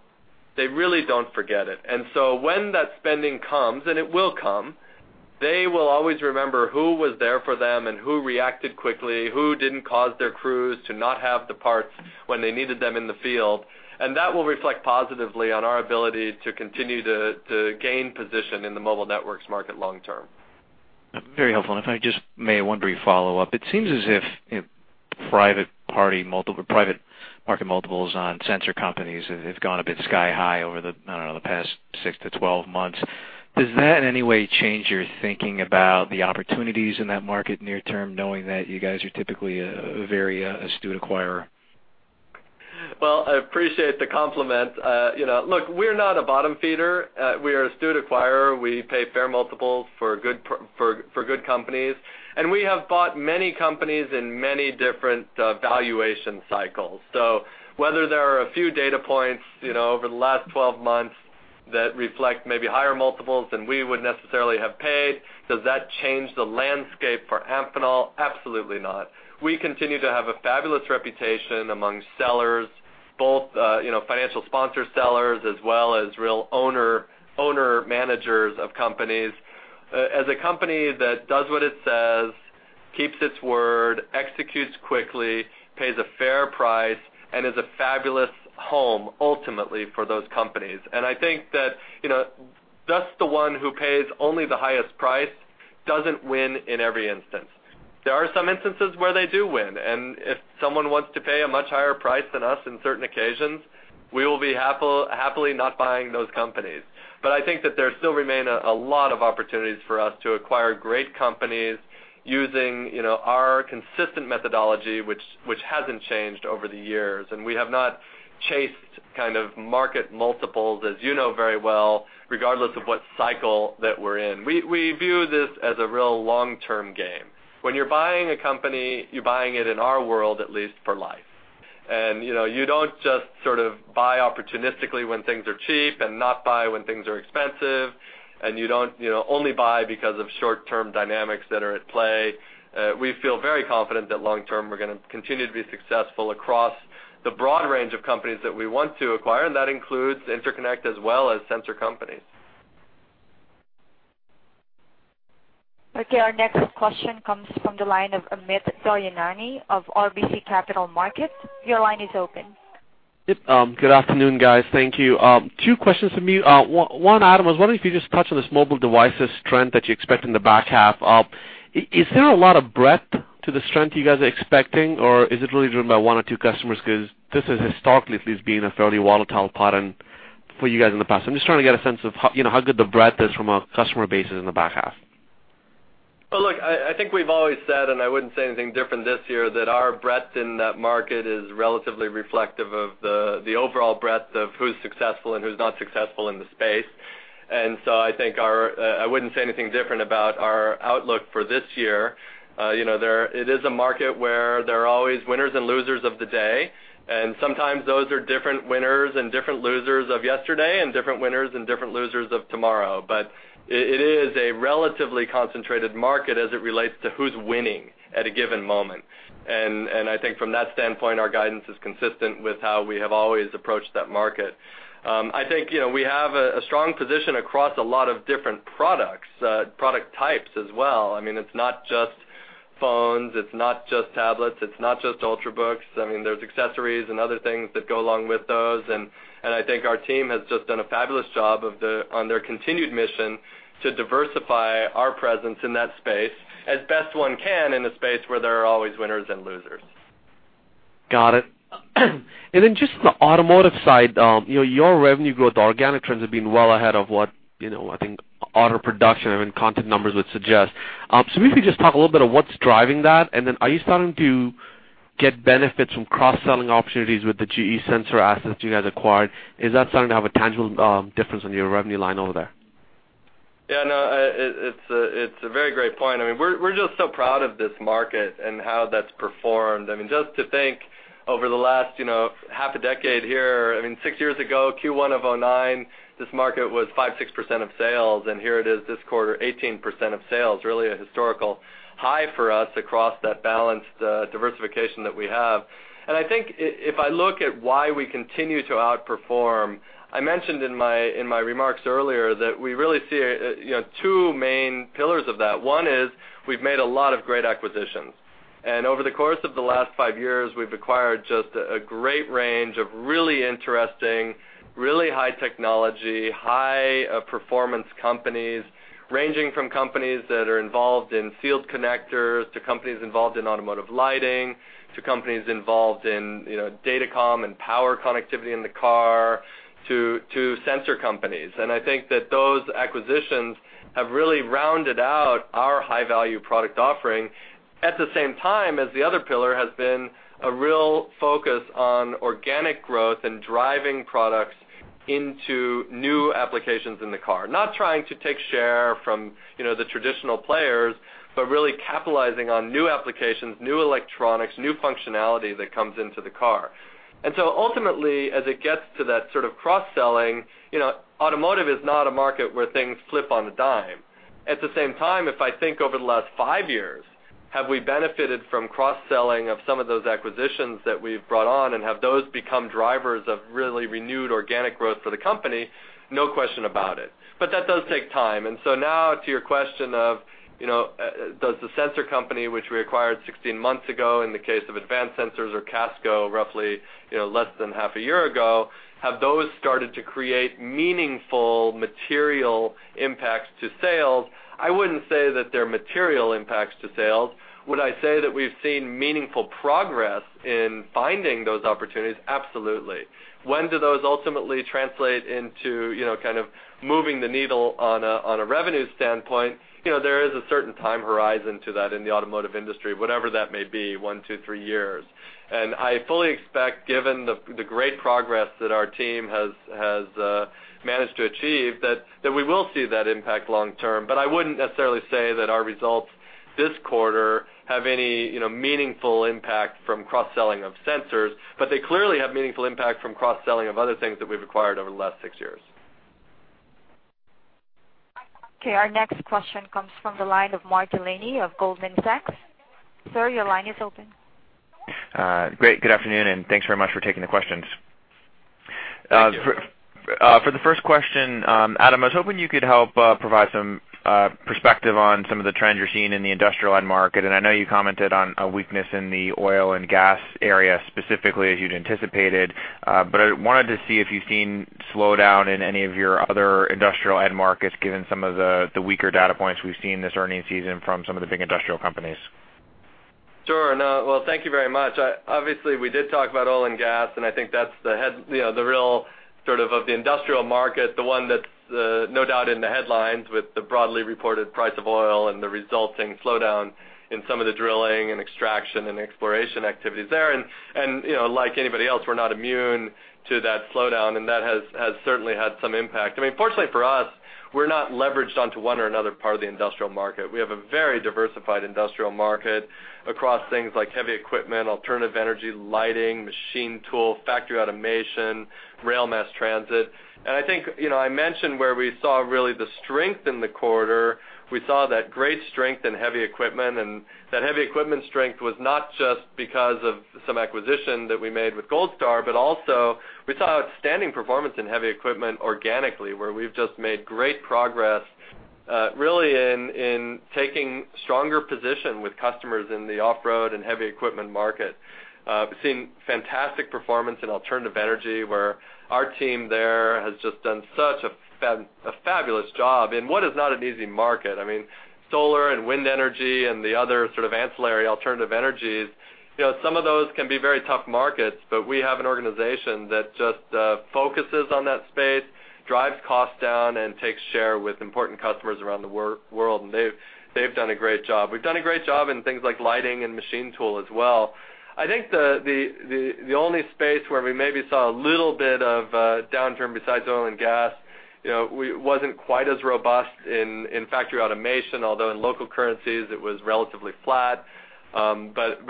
They really don't forget it. And so when that spending comes, and it will come, they will always remember who was there for them and who reacted quickly, who didn't cause their crews to not have the parts when they needed them in the field. And that will reflect positively on our ability to continue to gain position in the mobile networks market long term. Very helpful. And if I just may wonder your follow-up, it seems as if private market multiples on sensor companies have gone a bit sky high over the, I don't know, the past 6-12 months. Does that in any way change your thinking about the opportunities in that market near term, knowing that you guys are typically a very astute acquirer? Well, I appreciate the compliment. Look, we're not a bottom feeder. We are astute acquirer. We pay fair multiples for good companies. We have bought many companies in many different valuation cycles. So whether there are a few data points over the last 12 months that reflect maybe higher multiples than we would necessarily have paid, does that change the landscape for Amphenol? Absolutely not. We continue to have a fabulous reputation among sellers, both financial sponsor sellers as well as real owner-managers of companies. As a company that does what it says, keeps its word, executes quickly, pays a fair price, and is a fabulous home ultimately for those companies. I think that just the one who pays only the highest price doesn't win in every instance. There are some instances where they do win. If someone wants to pay a much higher price than us in certain occasions, we will be happily not buying those companies. But I think that there still remain a lot of opportunities for us to acquire great companies using our consistent methodology, which hasn't changed over the years. And we have not chased kind of market multiples, as you know very well, regardless of what cycle that we're in. We view this as a real long-term game. When you're buying a company, you're buying it in our world, at least for life. And you don't just sort of buy opportunistically when things are cheap and not buy when things are expensive, and you don't only buy because of short-term dynamics that are at play. We feel very confident that long term we're going to continue to be successful across the broad range of companies that we want to acquire, and that includes interconnect as well as sensor companies. Okay. Our next question comes from the line of Amit Daryanani of RBC Capital Markets. Your line is open. Yep. Good afternoon, guys. Thank you. Two questions for me. One, Adam was wondering if you just touched on this mobile devices trend that you expect in the back half. Is there a lot of breadth to the strength you guys are expecting, or is it really driven by one or two customers? Because this has historically at least been a fairly volatile pattern for you guys in the past. I'm just trying to get a sense of how good the breadth is from a customer basis in the back half. Well, look, I think we've always said, and I wouldn't say anything different this year, that our breadth in that market is relatively reflective of the overall breadth of who's successful and who's not successful in the space. I think I wouldn't say anything different about our outlook for this year. It is a market where there are always winners and losers of the day. Sometimes those are different winners and different losers of yesterday and different winners and different losers of tomorrow. But it is a relatively concentrated market as it relates to who's winning at a given moment. I think from that standpoint, our guidance is consistent with how we have always approached that market. I think we have a strong position across a lot of different products, product types as well. I mean, it's not just phones. It's not just tablets. It's not just Ultrabooks. I mean, there's accessories and other things that go along with those. And I think our team has just done a fabulous job on their continued mission to diversify our presence in that space as best one can in a space where there are always winners and losers. Got it. And then just on the automotive side, your revenue growth, the organic trends have been well ahead of what I think auto production and content numbers would suggest. So maybe just talk a little bit of what's driving that. And then are you starting to get benefits from cross-selling opportunities with the GE sensor assets you guys acquired? Is that starting to have a tangible difference on your revenue line over there? Yeah. No, it's a very great point. I mean, we're just so proud of this market and how that's performed. I mean, just to think over the last half a decade here, I mean, six years ago, Q1 of 2009, this market was 5%-6% of sales. And here it is this quarter, 18% of sales. Really a historical high for us across that balanced diversification that we have. And I think if I look at why we continue to outperform, I mentioned in my remarks earlier that we really see two main pillars of that. One is we've made a lot of great acquisitions. And over the course of the last five years, we've acquired just a great range of really interesting, really high technology, high-performance companies, ranging from companies that are involved in sealed connectors to companies involved in automotive lighting to companies involved in data comm and power connectivity in the car to sensor companies. And I think that those acquisitions have really rounded out our high-value product offering at the same time as the other pillar has been a real focus on organic growth and driving products into new applications in the car. Not trying to take share from the traditional players, but really capitalizing on new applications, new electronics, new functionality that comes into the car. And so ultimately, as it gets to that sort of cross-selling, automotive is not a market where things flip on a dime. At the same time, if I think over the last five years, have we benefited from cross-selling of some of those acquisitions that we've brought on and have those become drivers of really renewed organic growth for the company? No question about it. But that does take time. And so now to your question of does the sensor company which we acquired 16 months ago in the case of Advanced Sensors or Casco roughly less than half a year ago, have those started to create meaningful material impacts to sales? I wouldn't say that they're material impacts to sales. Would I say that we've seen meaningful progress in finding those opportunities? Absolutely. When do those ultimately translate into kind of moving the needle on a revenue standpoint? There is a certain time horizon to that in the automotive industry, whatever that may be, one, two, three years. And I fully expect, given the great progress that our team has managed to achieve, that we will see that impact long term. But I wouldn't necessarily say that our results this quarter have any meaningful impact from cross-selling of sensors, but they clearly have meaningful impact from cross-selling of other things that we've acquired over the last six years. Okay. Our next question comes from the line of Mark Delaney of Goldman Sachs. Sir, your line is open. Great. Good afternoon, and thanks very much for taking the questions. For the first question, Adam, I was hoping you could help provide some perspective on some of the trends you're seeing in the industrial end market. And I know you commented on a weakness in the oil and gas area specifically as you'd anticipated, but I wanted to see if you've seen slowdown in any of your other industrial end markets given some of the weaker data points we've seen this earnings season from some of the big industrial companies. Sure. No. Well, thank you very much. Obviously, we did talk about oil and gas, and I think that's the real sort of the industrial market, the one that's no doubt in the headlines with the broadly reported price of oil and the resulting slowdown in some of the drilling and extraction and exploration activities there. Like anybody else, we're not immune to that slowdown, and that has certainly had some impact. I mean, fortunately for us, we're not leveraged onto one or another part of the industrial market. We have a very diversified industrial market across things like heavy equipment, alternative energy, lighting, machine tool, factory automation, rail mass transit. I think I mentioned where we saw really the strength in the quarter. We saw that great strength in heavy equipment, and that heavy equipment strength was not just because of some acquisition that we made with Gold Star, but also we saw outstanding performance in heavy equipment organically, where we've just made great progress really in taking stronger position with customers in the off-road and heavy equipment market. We've seen fantastic performance in alternative energy where our team there has just done such a fabulous job in what is not an easy market. I mean, solar and wind energy and the other sort of ancillary alternative energies, some of those can be very tough markets, but we have an organization that just focuses on that space, drives costs down, and takes share with important customers around the world. They've done a great job. We've done a great job in things like lighting and machine tool as well. I think the only space where we maybe saw a little bit of downturn besides oil and gas wasn't quite as robust in factory automation, although in local currencies, it was relatively flat. But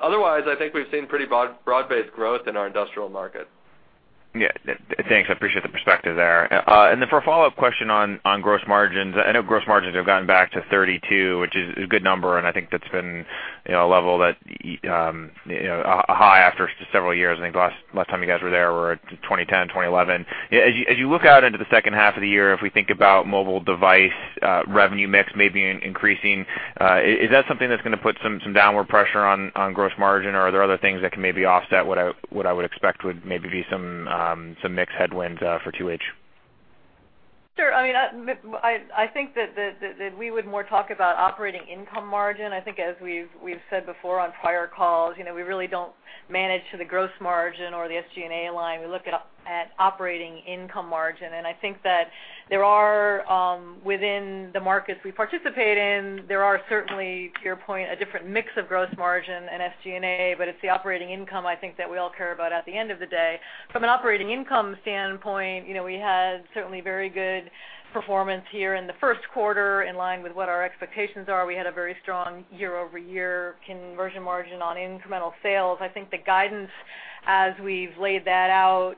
otherwise, I think we've seen pretty broad-based growth in our industrial market. Yeah. Thanks. I appreciate the perspective there. And then for a follow-up question on gross margins, I know gross margins have gotten back to 32%, which is a good number, and I think that's been a level that a high after several years. I think last time you guys were there were 2010, 2011. As you look out into the second half of the year, if we think about mobile device revenue mix maybe increasing, is that something that's going to put some downward pressure on gross margin, or are there other things that can maybe offset what I would expect would maybe be some mixed headwinds for 2H? Sure. I mean, I think that we would more talk about operating income margin. I think as we've said before on prior calls, we really don't manage to the gross margin or the SG&A line. We look at operating income margin. And I think that there are within the markets we participate in, there are certainly, to your point, a different mix of gross margin and SG&A, but it's the operating income I think that we all care about at the end of the day. From an operating income standpoint, we had certainly very good performance here in the first quarter in line with what our expectations are. We had a very strong year-over-year conversion margin on incremental sales. I think the guidance as we've laid that out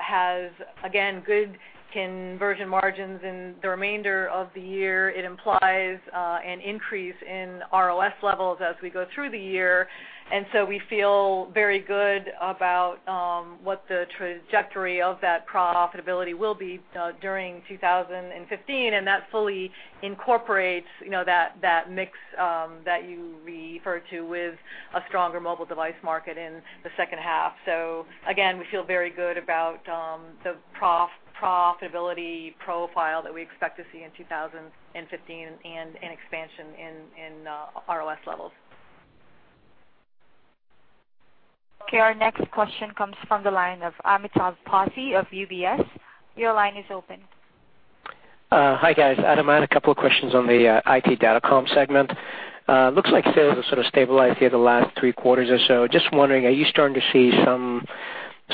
has, again, good conversion margins in the remainder of the year. It implies an increase in ROS levels as we go through the year. And so we feel very good about what the trajectory of that profitability will be during 2015. And that fully incorporates that mix that you referred to with a stronger mobile device market in the second half. So again, we feel very good about the profitability profile that we expect to see in 2015 and an expansion in ROS levels. Okay. Our next question comes from the line of Amitabh Passi of UBS. Your line is open. Hi, guys. Adam, I had a couple of questions on the IT data comm segment. Looks like sales have sort of stabilized here the last three quarters or so. Just wondering, are you starting to see some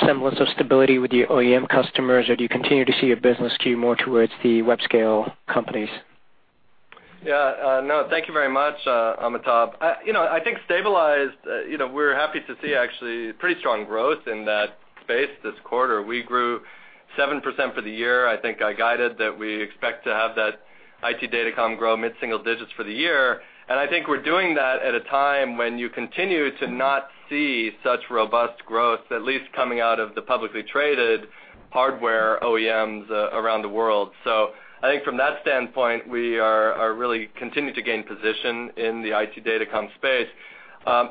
semblance of stability with your OEM customers, or do you continue to see your business skew more towards the web scale companies? Yeah. No. Thank you very much, Amitabh. I think stabilized, we're happy to see actually pretty strong growth in that space this quarter. We grew 7% for the year. I think I guided that we expect to have that IT data comm grow mid-single digits for the year. I think we're doing that at a time when you continue to not see such robust growth, at least coming out of the publicly traded hardware OEMs around the world. I think from that standpoint, we are really continuing to gain position in the IT data comm space.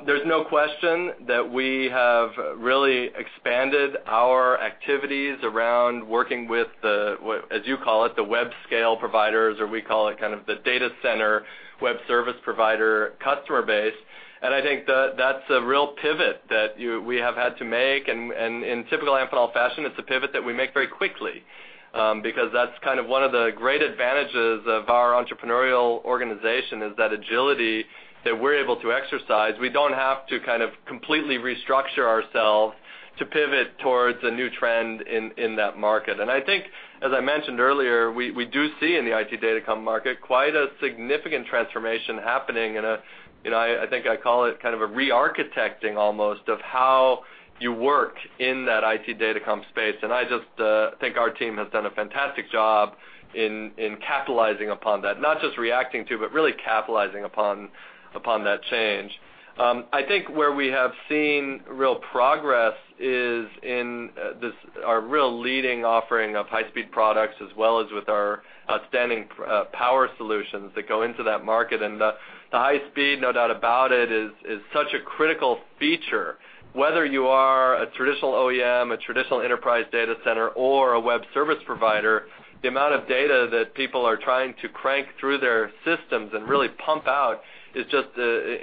There's no question that we have really expanded our activities around working with the, as you call it, the web scale providers, or we call it kind of the data center web service provider customer base. I think that that's a real pivot that we have had to make. In typical Amphenol fashion, it's a pivot that we make very quickly because that's kind of one of the great advantages of our entrepreneurial organization is that agility that we're able to exercise. We don't have to kind of completely restructure ourselves to pivot towards a new trend in that market. I think, as I mentioned earlier, we do see in the IT data comm market quite a significant transformation happening. I think I call it kind of a re-architecting almost of how you work in that IT data comm space. I just think our team has done a fantastic job in capitalizing upon that, not just reacting to, but really capitalizing upon that change. I think where we have seen real progress is in our real leading offering of high-speed products as well as with our outstanding power solutions that go into that market. The high speed, no doubt about it, is such a critical feature. Whether you are a traditional OEM, a traditional enterprise data center, or a web service provider, the amount of data that people are trying to crank through their systems and really pump out is just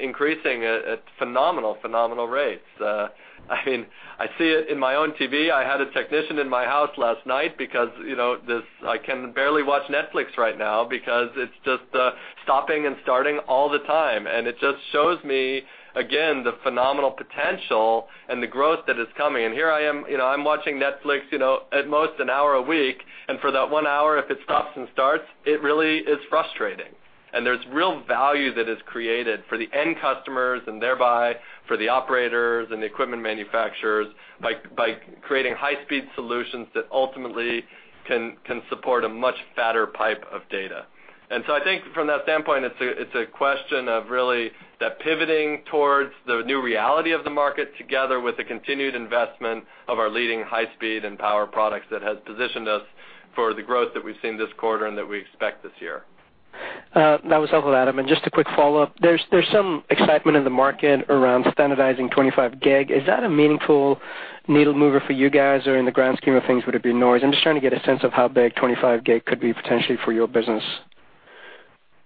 increasing at phenomenal, phenomenal rates. I mean, I see it in my own TV. I had a technician in my house last night because I can barely watch Netflix right now because it's just stopping and starting all the time. It just shows me, again, the phenomenal potential and the growth that is coming. Here I am, I'm watching Netflix at most an hour a week. For that one hour, if it stops and starts, it really is frustrating. There's real value that is created for the end customers and thereby for the operators and the equipment manufacturers by creating high-speed solutions that ultimately can support a much fatter pipe of data. So I think from that standpoint, it's a question of really that pivoting towards the new reality of the market together with the continued investment of our leading high-speed and power products that has positioned us for the growth that we've seen this quarter and that we expect this year. That was helpful, Adam. Just a quick follow-up. There's some excitement in the market around standardizing 25 gig. Is that a meaningful needle mover for you guys or in the grand scheme of things, would it be noise? I'm just trying to get a sense of how big 25 gig could be potentially for your business.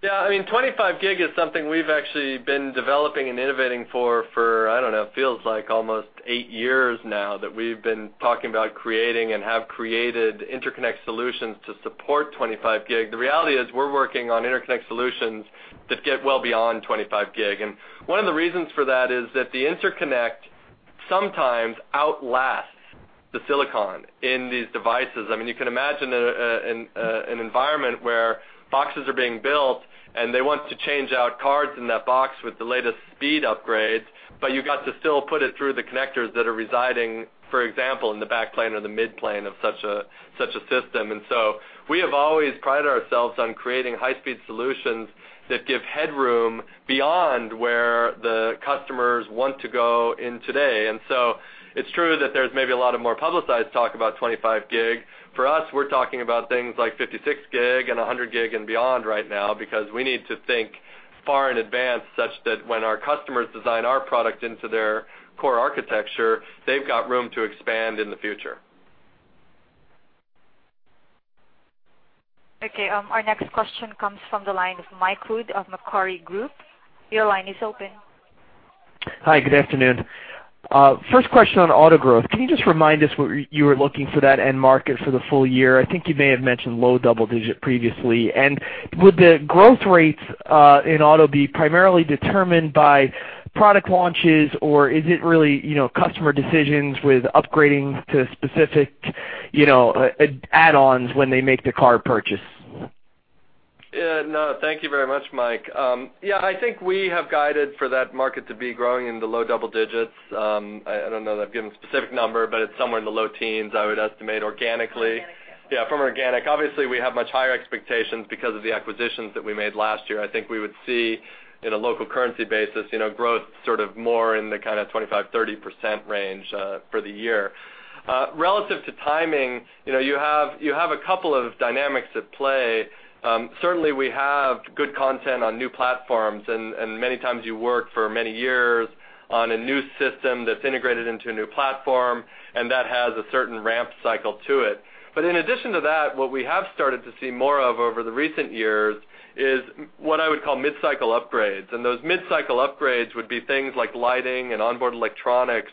Yeah. I mean, 25 gig is something we've actually been developing and innovating for, I don't know, it feels like almost eight years now that we've been talking about creating and have created interconnect solutions to support 25 gig. The reality is we're working on interconnect solutions that get well beyond 25 gig. One of the reasons for that is that the interconnect sometimes outlasts the silicon in these devices. I mean, you can imagine an environment where boxes are being built and they want to change out cards in that box with the latest speed upgrades, but you got to still put it through the connectors that are residing, for example, in the backplane or the midplane of such a system. So we have always prided ourselves on creating high-speed solutions that give headroom beyond where the customers want to go in today. So it's true that there's maybe a lot of more publicized talk about 25 gig. For us, we're talking about things like 56 gig and 100 gig and beyond right now because we need to think far in advance such that when our customers design our product into their core architecture, they've got room to expand in the future. Okay. Our next question comes from the line of Mike Wood of Macquarie. Your line is open. Hi. Good afternoon. First question on auto growth. Can you just remind us what you were looking for that end market for the full year? I think you may have mentioned low double digit previously. And would the growth rates in auto be primarily determined by product launches, or is it really customer decisions with upgrading to specific add-ons when they make the car purchase? Yeah. No. Thank you very much, Mike. Yeah. I think we have guided for that market to be growing in the low double digits. I don't know that I've given a specific number, but it's somewhere in the low teens, I would estimate, organically. Yeah. From organic. Obviously, we have much higher expectations because of the acquisitions that we made last year. I think we would see in a local currency basis growth sort of more in the kind of 25%-30% range for the year. Relative to timing, you have a couple of dynamics at play. Certainly, we have good content on new platforms, and many times you work for many years on a new system that's integrated into a new platform, and that has a certain ramp cycle to it. But in addition to that, what we have started to see more of over the recent years is what I would call mid-cycle upgrades. Those mid-cycle upgrades would be things like lighting and onboard electronics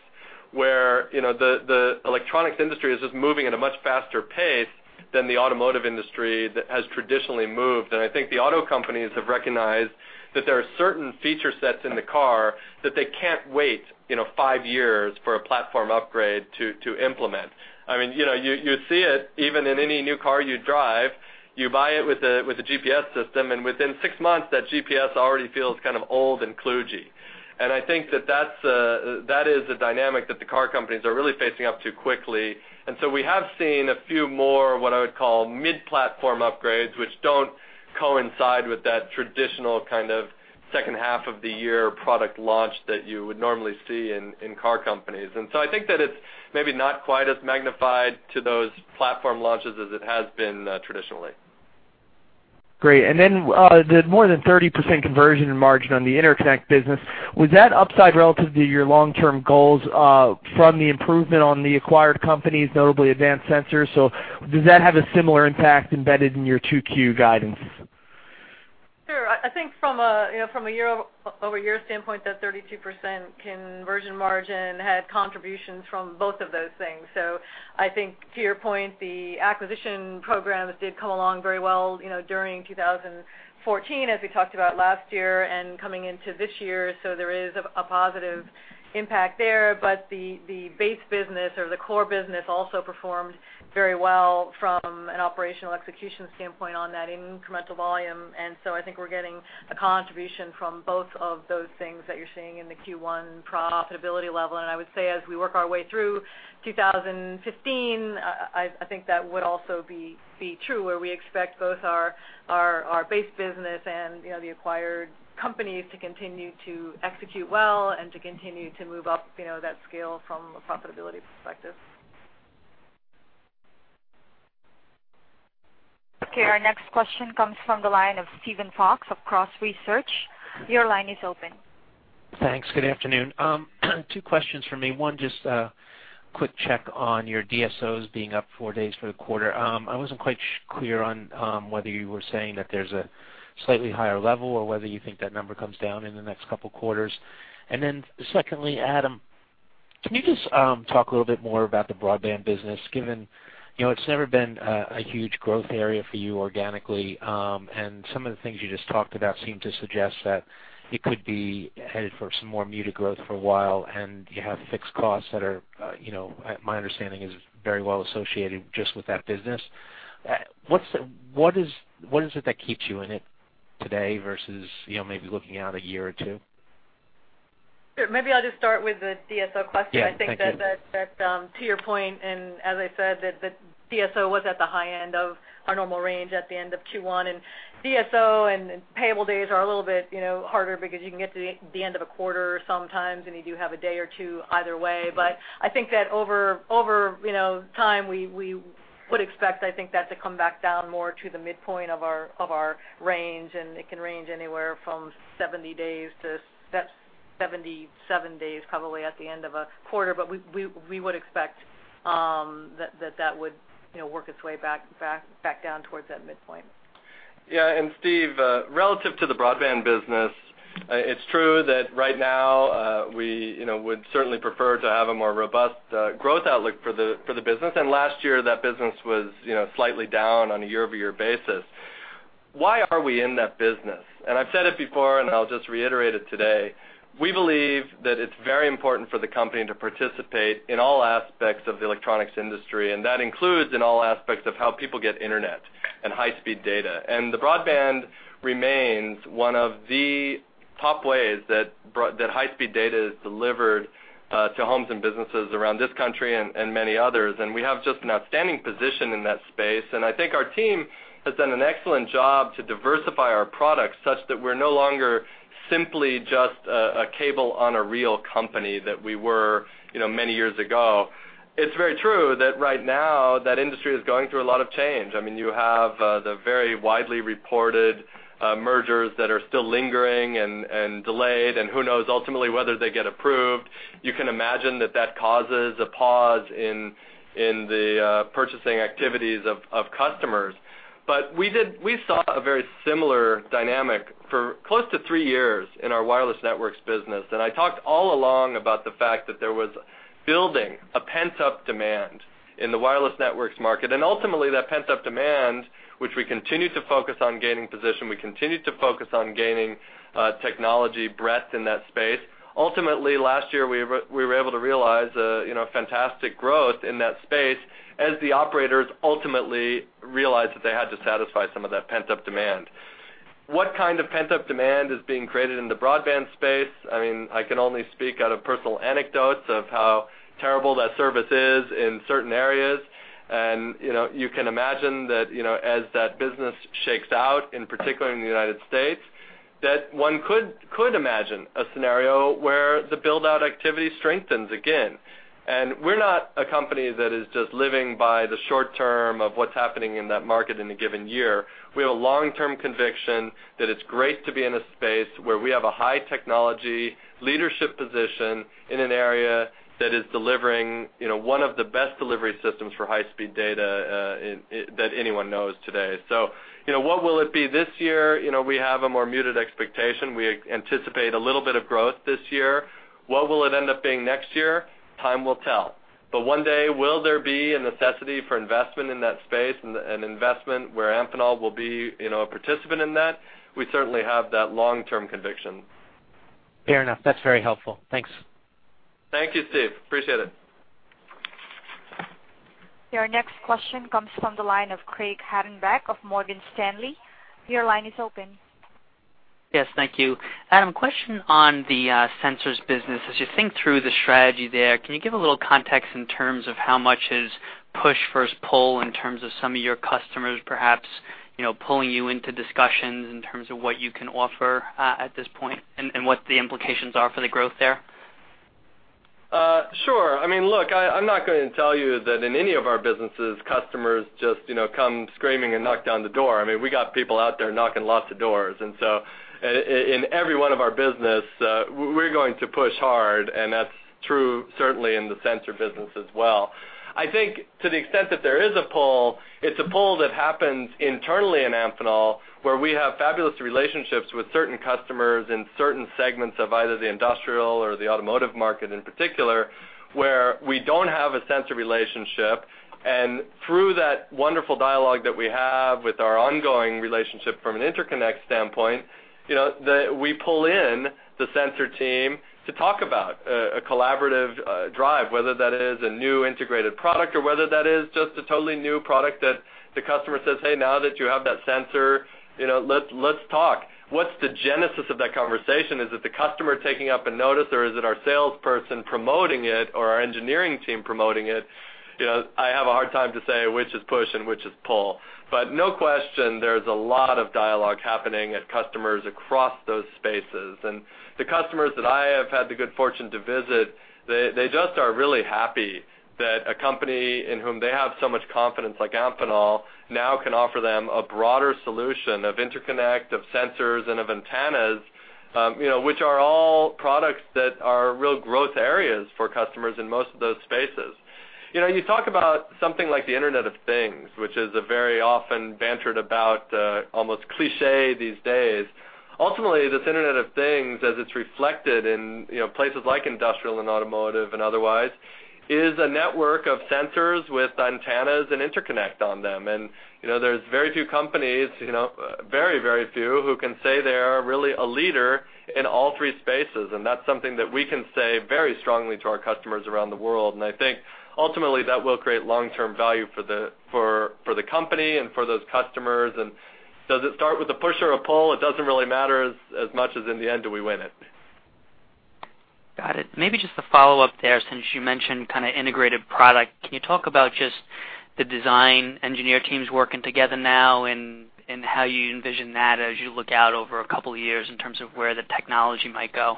where the electronics industry is just moving at a much faster pace than the automotive industry that has traditionally moved. And I think the auto companies have recognized that there are certain feature sets in the car that they can't wait five years for a platform upgrade to implement. I mean, you see it even in any new car you drive. You buy it with a GPS system, and within six months, that GPS already feels kind of old and kludgy. And I think that that is a dynamic that the car companies are really facing up to quickly. And so we have seen a few more what I would call mid-platform upgrades, which don't coincide with that traditional kind of second half of the year product launch that you would normally see in car companies. And so I think that it's maybe not quite as magnified to those platform launches as it has been traditionally. Great. And then the more than 30% conversion margin on the interconnect business, was that upside relative to your long-term goals from the improvement on the acquired companies, notably Advanced Sensors? So does that have a similar impact embedded in your 2Q guidance? Sure. I think from a year-over-year standpoint, that 32% conversion margin had contributions from both of those things. So I think to your point, the acquisition programs did come along very well during 2014, as we talked about last year, and coming into this year. So there is a positive impact there. But the base business or the core business also performed very well from an operational execution standpoint on that incremental volume. And so I think we're getting a contribution from both of those things that you're seeing in the Q1 profitability level. And I would say as we work our way through 2015, I think that would also be true where we expect both our base business and the acquired companies to continue to execute well and to continue to move up that scale from a profitability perspective. Okay. Our next question comes from the line of Steven Fox of Cross Research. Your line is open. Thanks. Good afternoon. Two questions for me. One, just a quick check on your DSOs being up four days for the quarter. I wasn't quite clear on whether you were saying that there's a slightly higher level or whether you think that number comes down in the next couple of quarters. And then secondly, Adam, can you just talk a little bit more about the broadband business given it's never been a huge growth area for you organically? And some of the things you just talked about seem to suggest that it could be headed for some more muted growth for a while, and you have fixed costs that are, my understanding, is very well associated just with that business. What is it that keeps you in it today versus maybe looking out a year or two? Maybe I'll just start with the DSO question. I think that to your point, and as I said, the DSO was at the high end of our normal range at the end of Q1. DSO and payable days are a little bit harder because you can get to the end of a quarter sometimes, and you do have a day or two either way. But I think that over time, we would expect, I think, that to come back down more to the midpoint of our range. It can range anywhere from 70 days to 77 days probably at the end of a quarter. But we would expect that that would work its way back down towards that midpoint. Yeah. Steve, relative to the broadband business, it's true that right now we would certainly prefer to have a more robust growth outlook for the business. Last year, that business was slightly down on a year-over-year basis. Why are we in that business? I've said it before, and I'll just reiterate it today. We believe that it's very important for the company to participate in all aspects of the electronics industry. That includes in all aspects of how people get internet and high-speed data. The broadband remains one of the top ways that high-speed data is delivered to homes and businesses around this country and many others. We have just an outstanding position in that space. I think our team has done an excellent job to diversify our product such that we're no longer simply just a cable-on-a-reel company that we were many years ago. It's very true that right now, that industry is going through a lot of change. I mean, you have the very widely reported mergers that are still lingering and delayed, and who knows ultimately whether they get approved. You can imagine that that causes a pause in the purchasing activities of customers. But we saw a very similar dynamic for close to three years in our wireless networks business. I talked all along about the fact that there was building a pent-up demand in the wireless networks market. Ultimately, that pent-up demand, which we continue to focus on gaining position, we continue to focus on gaining technology breadth in that space. Ultimately, last year, we were able to realize fantastic growth in that space as the operators ultimately realized that they had to satisfy some of that pent-up demand. What kind of pent-up demand is being created in the broadband space? I mean, I can only speak out of personal anecdotes of how terrible that service is in certain areas. You can imagine that as that business shakes out, in particular in the United States, that one could imagine a scenario where the build-out activity strengthens again. We're not a company that is just living by the short term of what's happening in that market in a given year. We have a long-term conviction that it's great to be in a space where we have a high-technology leadership position in an area that is delivering one of the best delivery systems for high-speed data that anyone knows today. So what will it be this year? We have a more muted expectation. We anticipate a little bit of growth this year. What will it end up being next year? Time will tell. But one day, will there be a necessity for investment in that space and investment where Amphenol will be a participant in that? We certainly have that long-term conviction. Fair enough. That's very helpful. Thanks. Thank you, Steve. Appreciate it. Your next question comes from the line of Craig Hettenbach of Morgan Stanley. Your line is open. Yes. Thank you. Adam, question on the sensors business. As you think through the strategy there, can you give a little context in terms of how much is push versus pull in terms of some of your customers perhaps pulling you into discussions in terms of what you can offer at this point and what the implications are for the growth there? Sure. I mean, look, I'm not going to tell you that in any of our businesses, customers just come screaming and knock down the door. I mean, we got people out there knocking lots of doors. So in every one of our business, we're going to push hard. That's true certainly in the sensor business as well. I think to the extent that there is a pull, it's a pull that happens internally in Amphenol where we have fabulous relationships with certain customers in certain segments of either the industrial or the automotive market in particular where we don't have a sensor relationship. Through that wonderful dialogue that we have with our ongoing relationship from an interconnect standpoint, we pull in the sensor team to talk about a collaborative drive, whether that is a new integrated product or whether that is just a totally new product that the customer says, "Hey, now that you have that sensor, let's talk." What's the genesis of that conversation? Is it the customer taking up a notice, or is it our salesperson promoting it, or our engineering team promoting it? I have a hard time to say which is push and which is pull. But no question, there's a lot of dialogue happening at customers across those spaces. And the customers that I have had the good fortune to visit, they just are really happy that a company in whom they have so much confidence like Amphenol now can offer them a broader solution of interconnect, of sensors, and of antennas, which are all products that are real growth areas for customers in most of those spaces. You talk about something like the Internet of Things, which is very often bantered about, almost cliché these days. Ultimately, this Internet of Things, as it's reflected in places like industrial and automotive and otherwise, is a network of sensors with antennas and interconnect on them. And there's very few companies, very, very few, who can say they are really a leader in all three spaces. And that's something that we can say very strongly to our customers around the world. And I think ultimately that will create long-term value for the company and for those customers. And does it start with a push or a pull? It doesn't really matter as much as in the end, do we win it? Got it. Maybe just a follow-up there. Since you mentioned kind of integrated product, can you talk about just the design engineer teams working together now and how you envision that as you look out over a couple of years in terms of where the technology might go?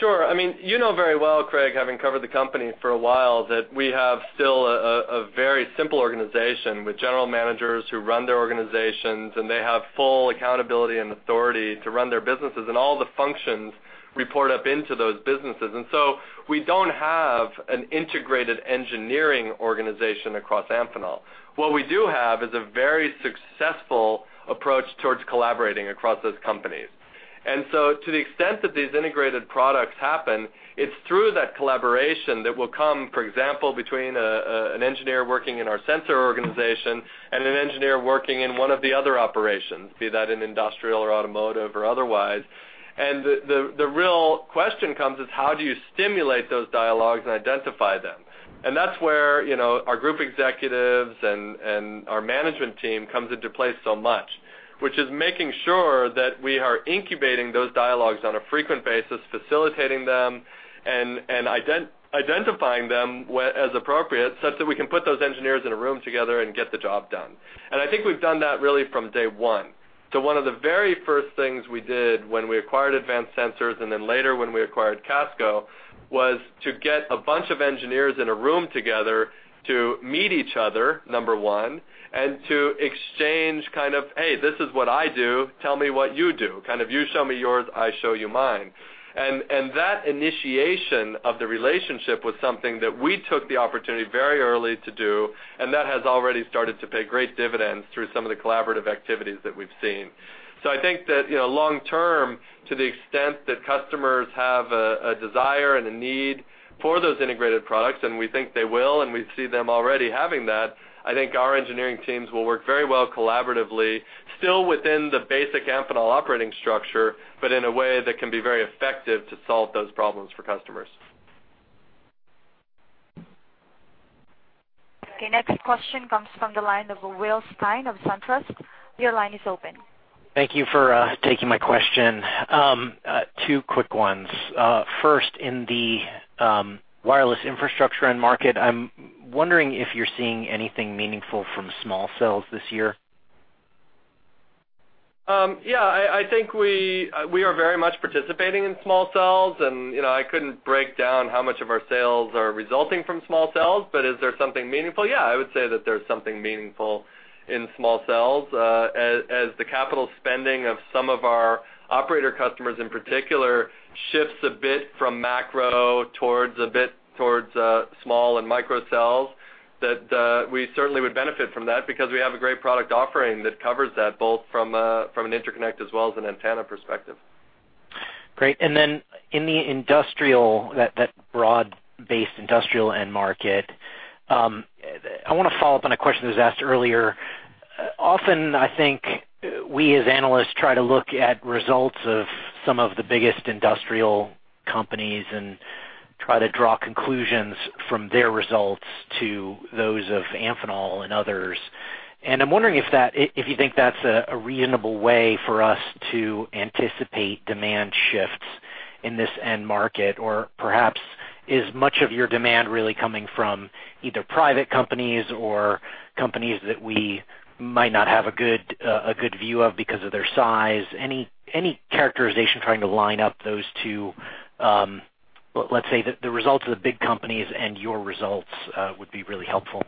Sure. I mean, you know very well, Craig, having covered the company for a while, that we have still a very simple organization with general managers who run their organizations, and they have full accountability and authority to run their businesses and all the functions report up into those businesses. And so we don't have an integrated engineering organization across Amphenol. What we do have is a very successful approach towards collaborating across those companies. And so to the extent that these integrated products happen, it's through that collaboration that will come, for example, between an engineer working in our sensor organization and an engineer working in one of the other operations, be that in industrial or automotive or otherwise. And the real question comes is how do you stimulate those dialogues and identify them? And that's where our group executives and our management team comes into play so much, which is making sure that we are incubating those dialogues on a frequent basis, facilitating them and identifying them as appropriate such that we can put those engineers in a room together and get the job done. And I think we've done that really from day one. So one of the very first things we did when we acquired Advanced Sensors and then later when we acquired Casco was to get a bunch of engineers in a room together to meet each other, number one, and to exchange kind of, "Hey, this is what I do. Tell me what you do. Kind of you show me yours, I show you mine." And that initiation of the relationship was something that we took the opportunity very early to do. That has already started to pay great dividends through some of the collaborative activities that we've seen. So I think that long-term, to the extent that customers have a desire and a need for those integrated products, and we think they will, and we see them already having that, I think our engineering teams will work very well collaboratively, still within the basic Amphenol operating structure, but in a way that can be very effective to solve those problems for customers. Okay. Next question comes from the line of Will Stein of SunTrust. Your line is open. Thank you for taking my question. Two quick ones. First, in the wireless infrastructure and market, I'm wondering if you're seeing anything meaningful from small cells this year? Yeah. I think we are very much participating in small cells. And I couldn't break down how much of our sales are resulting from small cells, but is there something meaningful? Yeah. I would say that there's something meaningful in small cells as the capital spending of some of our operator customers in particular shifts a bit from macro towards a bit towards small and micro cells, that we certainly would benefit from that because we have a great product offering that covers that both from an interconnect as well as an antenna perspective. Great. And then in the broad-based industrial end market, I want to follow up on a question that was asked earlier. Often, I think we as analysts try to look at results of some of the biggest industrial companies and try to draw conclusions from their results to those of Amphenol and others. I'm wondering if you think that's a reasonable way for us to anticipate demand shifts in this end market, or perhaps is much of your demand really coming from either private companies or companies that we might not have a good view of because of their size? Any characterization trying to line up those two, let's say the results of the big companies and your results would be really helpful.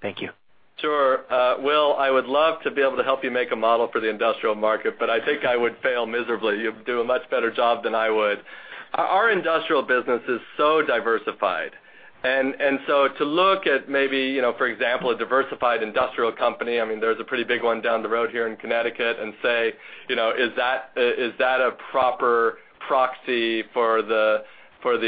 Thank you. Sure. Will, I would love to be able to help you make a model for the industrial market, but I think I would fail miserably. You'd do a much better job than I would. Our industrial business is so diversified. To look at maybe, for example, a diversified industrial company, I mean, there's a pretty big one down the road here in Connecticut, and say, "Is that a proper proxy for the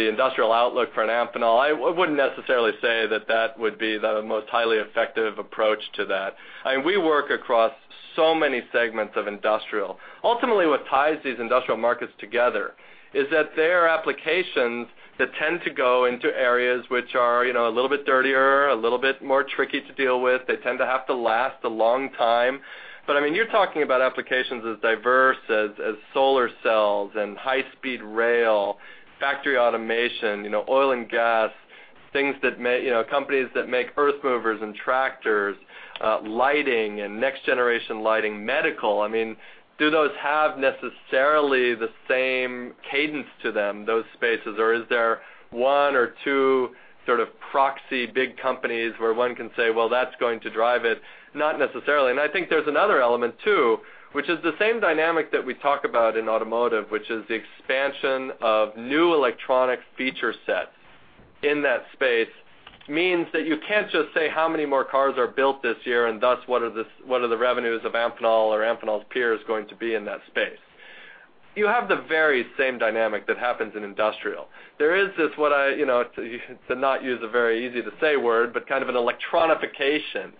industrial outlook for an Amphenol?" I wouldn't necessarily say that that would be the most highly effective approach to that. I mean, we work across so many segments of industrial. Ultimately, what ties these industrial markets together is that there are applications that tend to go into areas which are a little bit dirtier, a little bit more tricky to deal with. They tend to have to last a long time. But I mean, you're talking about applications as diverse as solar cells and high-speed rail, factory automation, oil and gas, things that companies that make earth movers and tractors, lighting and next-generation lighting, medical. I mean, do those have necessarily the same cadence to them, those spaces, or is there one or two sort of proxy big companies where one can say, "Well, that's going to drive it"? Not necessarily. And I think there's another element too, which is the same dynamic that we talk about in automotive, which is the expansion of new electronic feature sets in that space means that you can't just say, "How many more cars are built this year, and thus what are the revenues of Amphenol or Amphenol's peers going to be in that space?" You have the very same dynamic that happens in industrial. There is this, to not use a very easy-to-say word, but kind of an electronification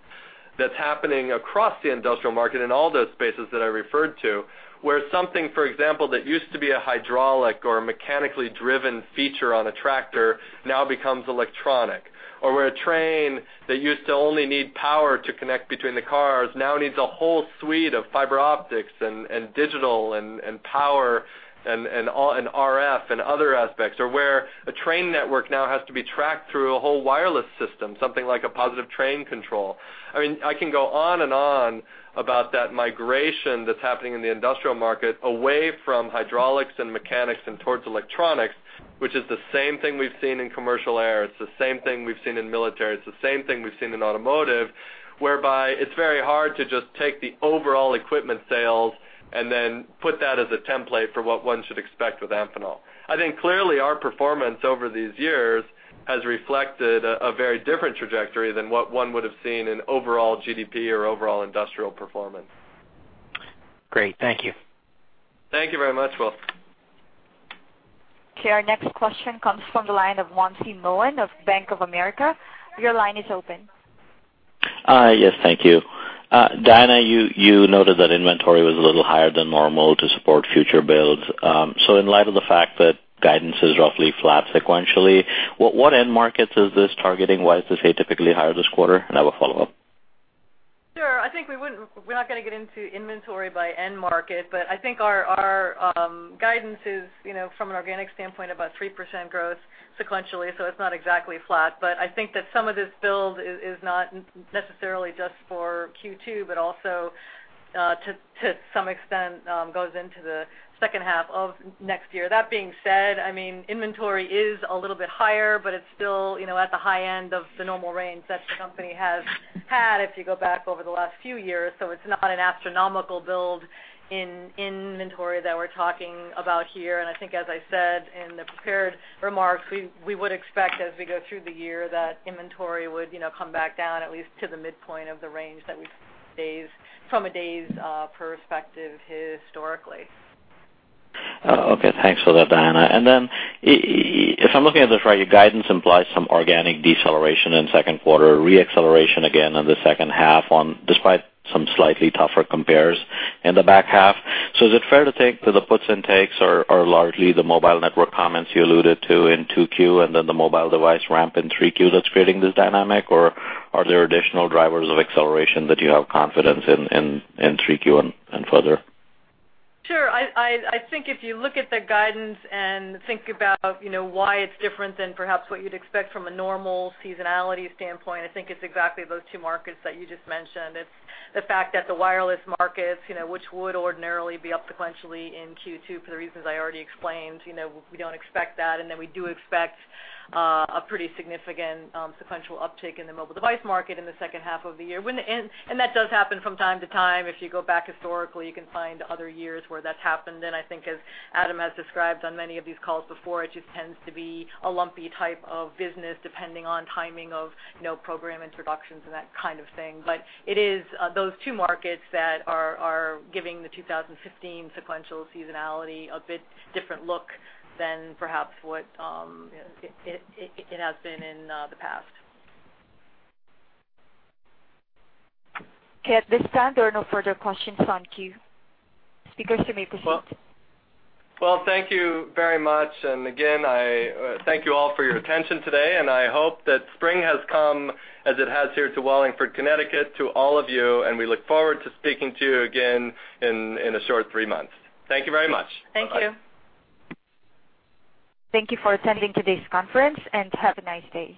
that's happening across the industrial market in all those spaces that I referred to where something, for example, that used to be a hydraulic or mechanically driven feature on a tractor now becomes electronic, or where a train that used to only need power to connect between the cars now needs a whole suite of fiber optics and digital and power and RF and other aspects, or where a train network now has to be tracked through a whole wireless system, something like a Positive Train Control. I mean, I can go on and on about that migration that's happening in the industrial market away from hydraulics and mechanics and towards electronics. Which is the same thing we've seen in commercial air. It's the same thing we've seen in military. It's the same thing we've seen in automotive, whereby it's very hard to just take the overall equipment sales and then put that as a template for what one should expect with Amphenol. I think clearly our performance over these years has reflected a very different trajectory than what one would have seen in overall GDP or overall industrial performance. Great. Thank you. Thank you very much, Will. Okay. Our next question comes from the line of Wamsi Mohan of Bank of America. Your line is open. Yes. Thank you. Diana, you noted that inventory was a little higher than normal to support future builds. So in light of the fact that guidance is roughly flat sequentially, what end markets is this targeting? Why is this atypically higher this quarter? And I have a follow-up. Sure. I think we're not going to get into inventory by end market, but I think our guidance is, from an organic standpoint, about 3% growth sequentially. So it's not exactly flat. But I think that some of this build is not necessarily just for Q2, but also to some extent goes into the second half of next year. That being said, I mean, inventory is a little bit higher, but it's still at the high end of the normal range that the company has had if you go back over the last few years. So it's not an astronomical build in inventory that we're talking about here. And I think, as I said in the prepared remarks, we would expect as we go through the year that inventory would come back down at least to the midpoint of the range that we've seen from a day's perspective historically. Okay. Thanks for that, Diana. And then if I'm looking at this right, your guidance implies some organic deceleration in second quarter, re-acceleration again in the second half despite some slightly tougher compares in the back half. So is it fair to think that the puts and takes are largely the mobile network comments you alluded to in 2Q and then the mobile device ramp in 3Q that's creating this dynamic, or are there additional drivers of acceleration that you have confidence in 3Q and further? Sure. I think if you look at the guidance and think about why it's different than perhaps what you'd expect from a normal seasonality standpoint, I think it's exactly those two markets that you just mentioned. It's the fact that the wireless markets, which would ordinarily be up sequentially in Q2 for the reasons I already explained, we don't expect that. And then we do expect a pretty significant sequential uptick in the mobile device market in the second half of the year. And that does happen from time to time. If you go back historically, you can find other years where that's happened. And I think, as Adam has described on many of these calls before, it just tends to be a lumpy type of business depending on timing of program introductions and that kind of thing. But it is those two markets that are giving the 2015 sequential seasonality a bit different look than perhaps what it has been in the past. Okay. At this time, there are no further questions on. Speaker, so may we proceed? Well, thank you very much. And again, I thank you all for your attention today. I hope that spring has come as it has here to Wallingford, Connecticut, to all of you. We look forward to speaking to you again in a short three months. Thank you very much. Thank you. Thank you for attending today's conference and have a nice day.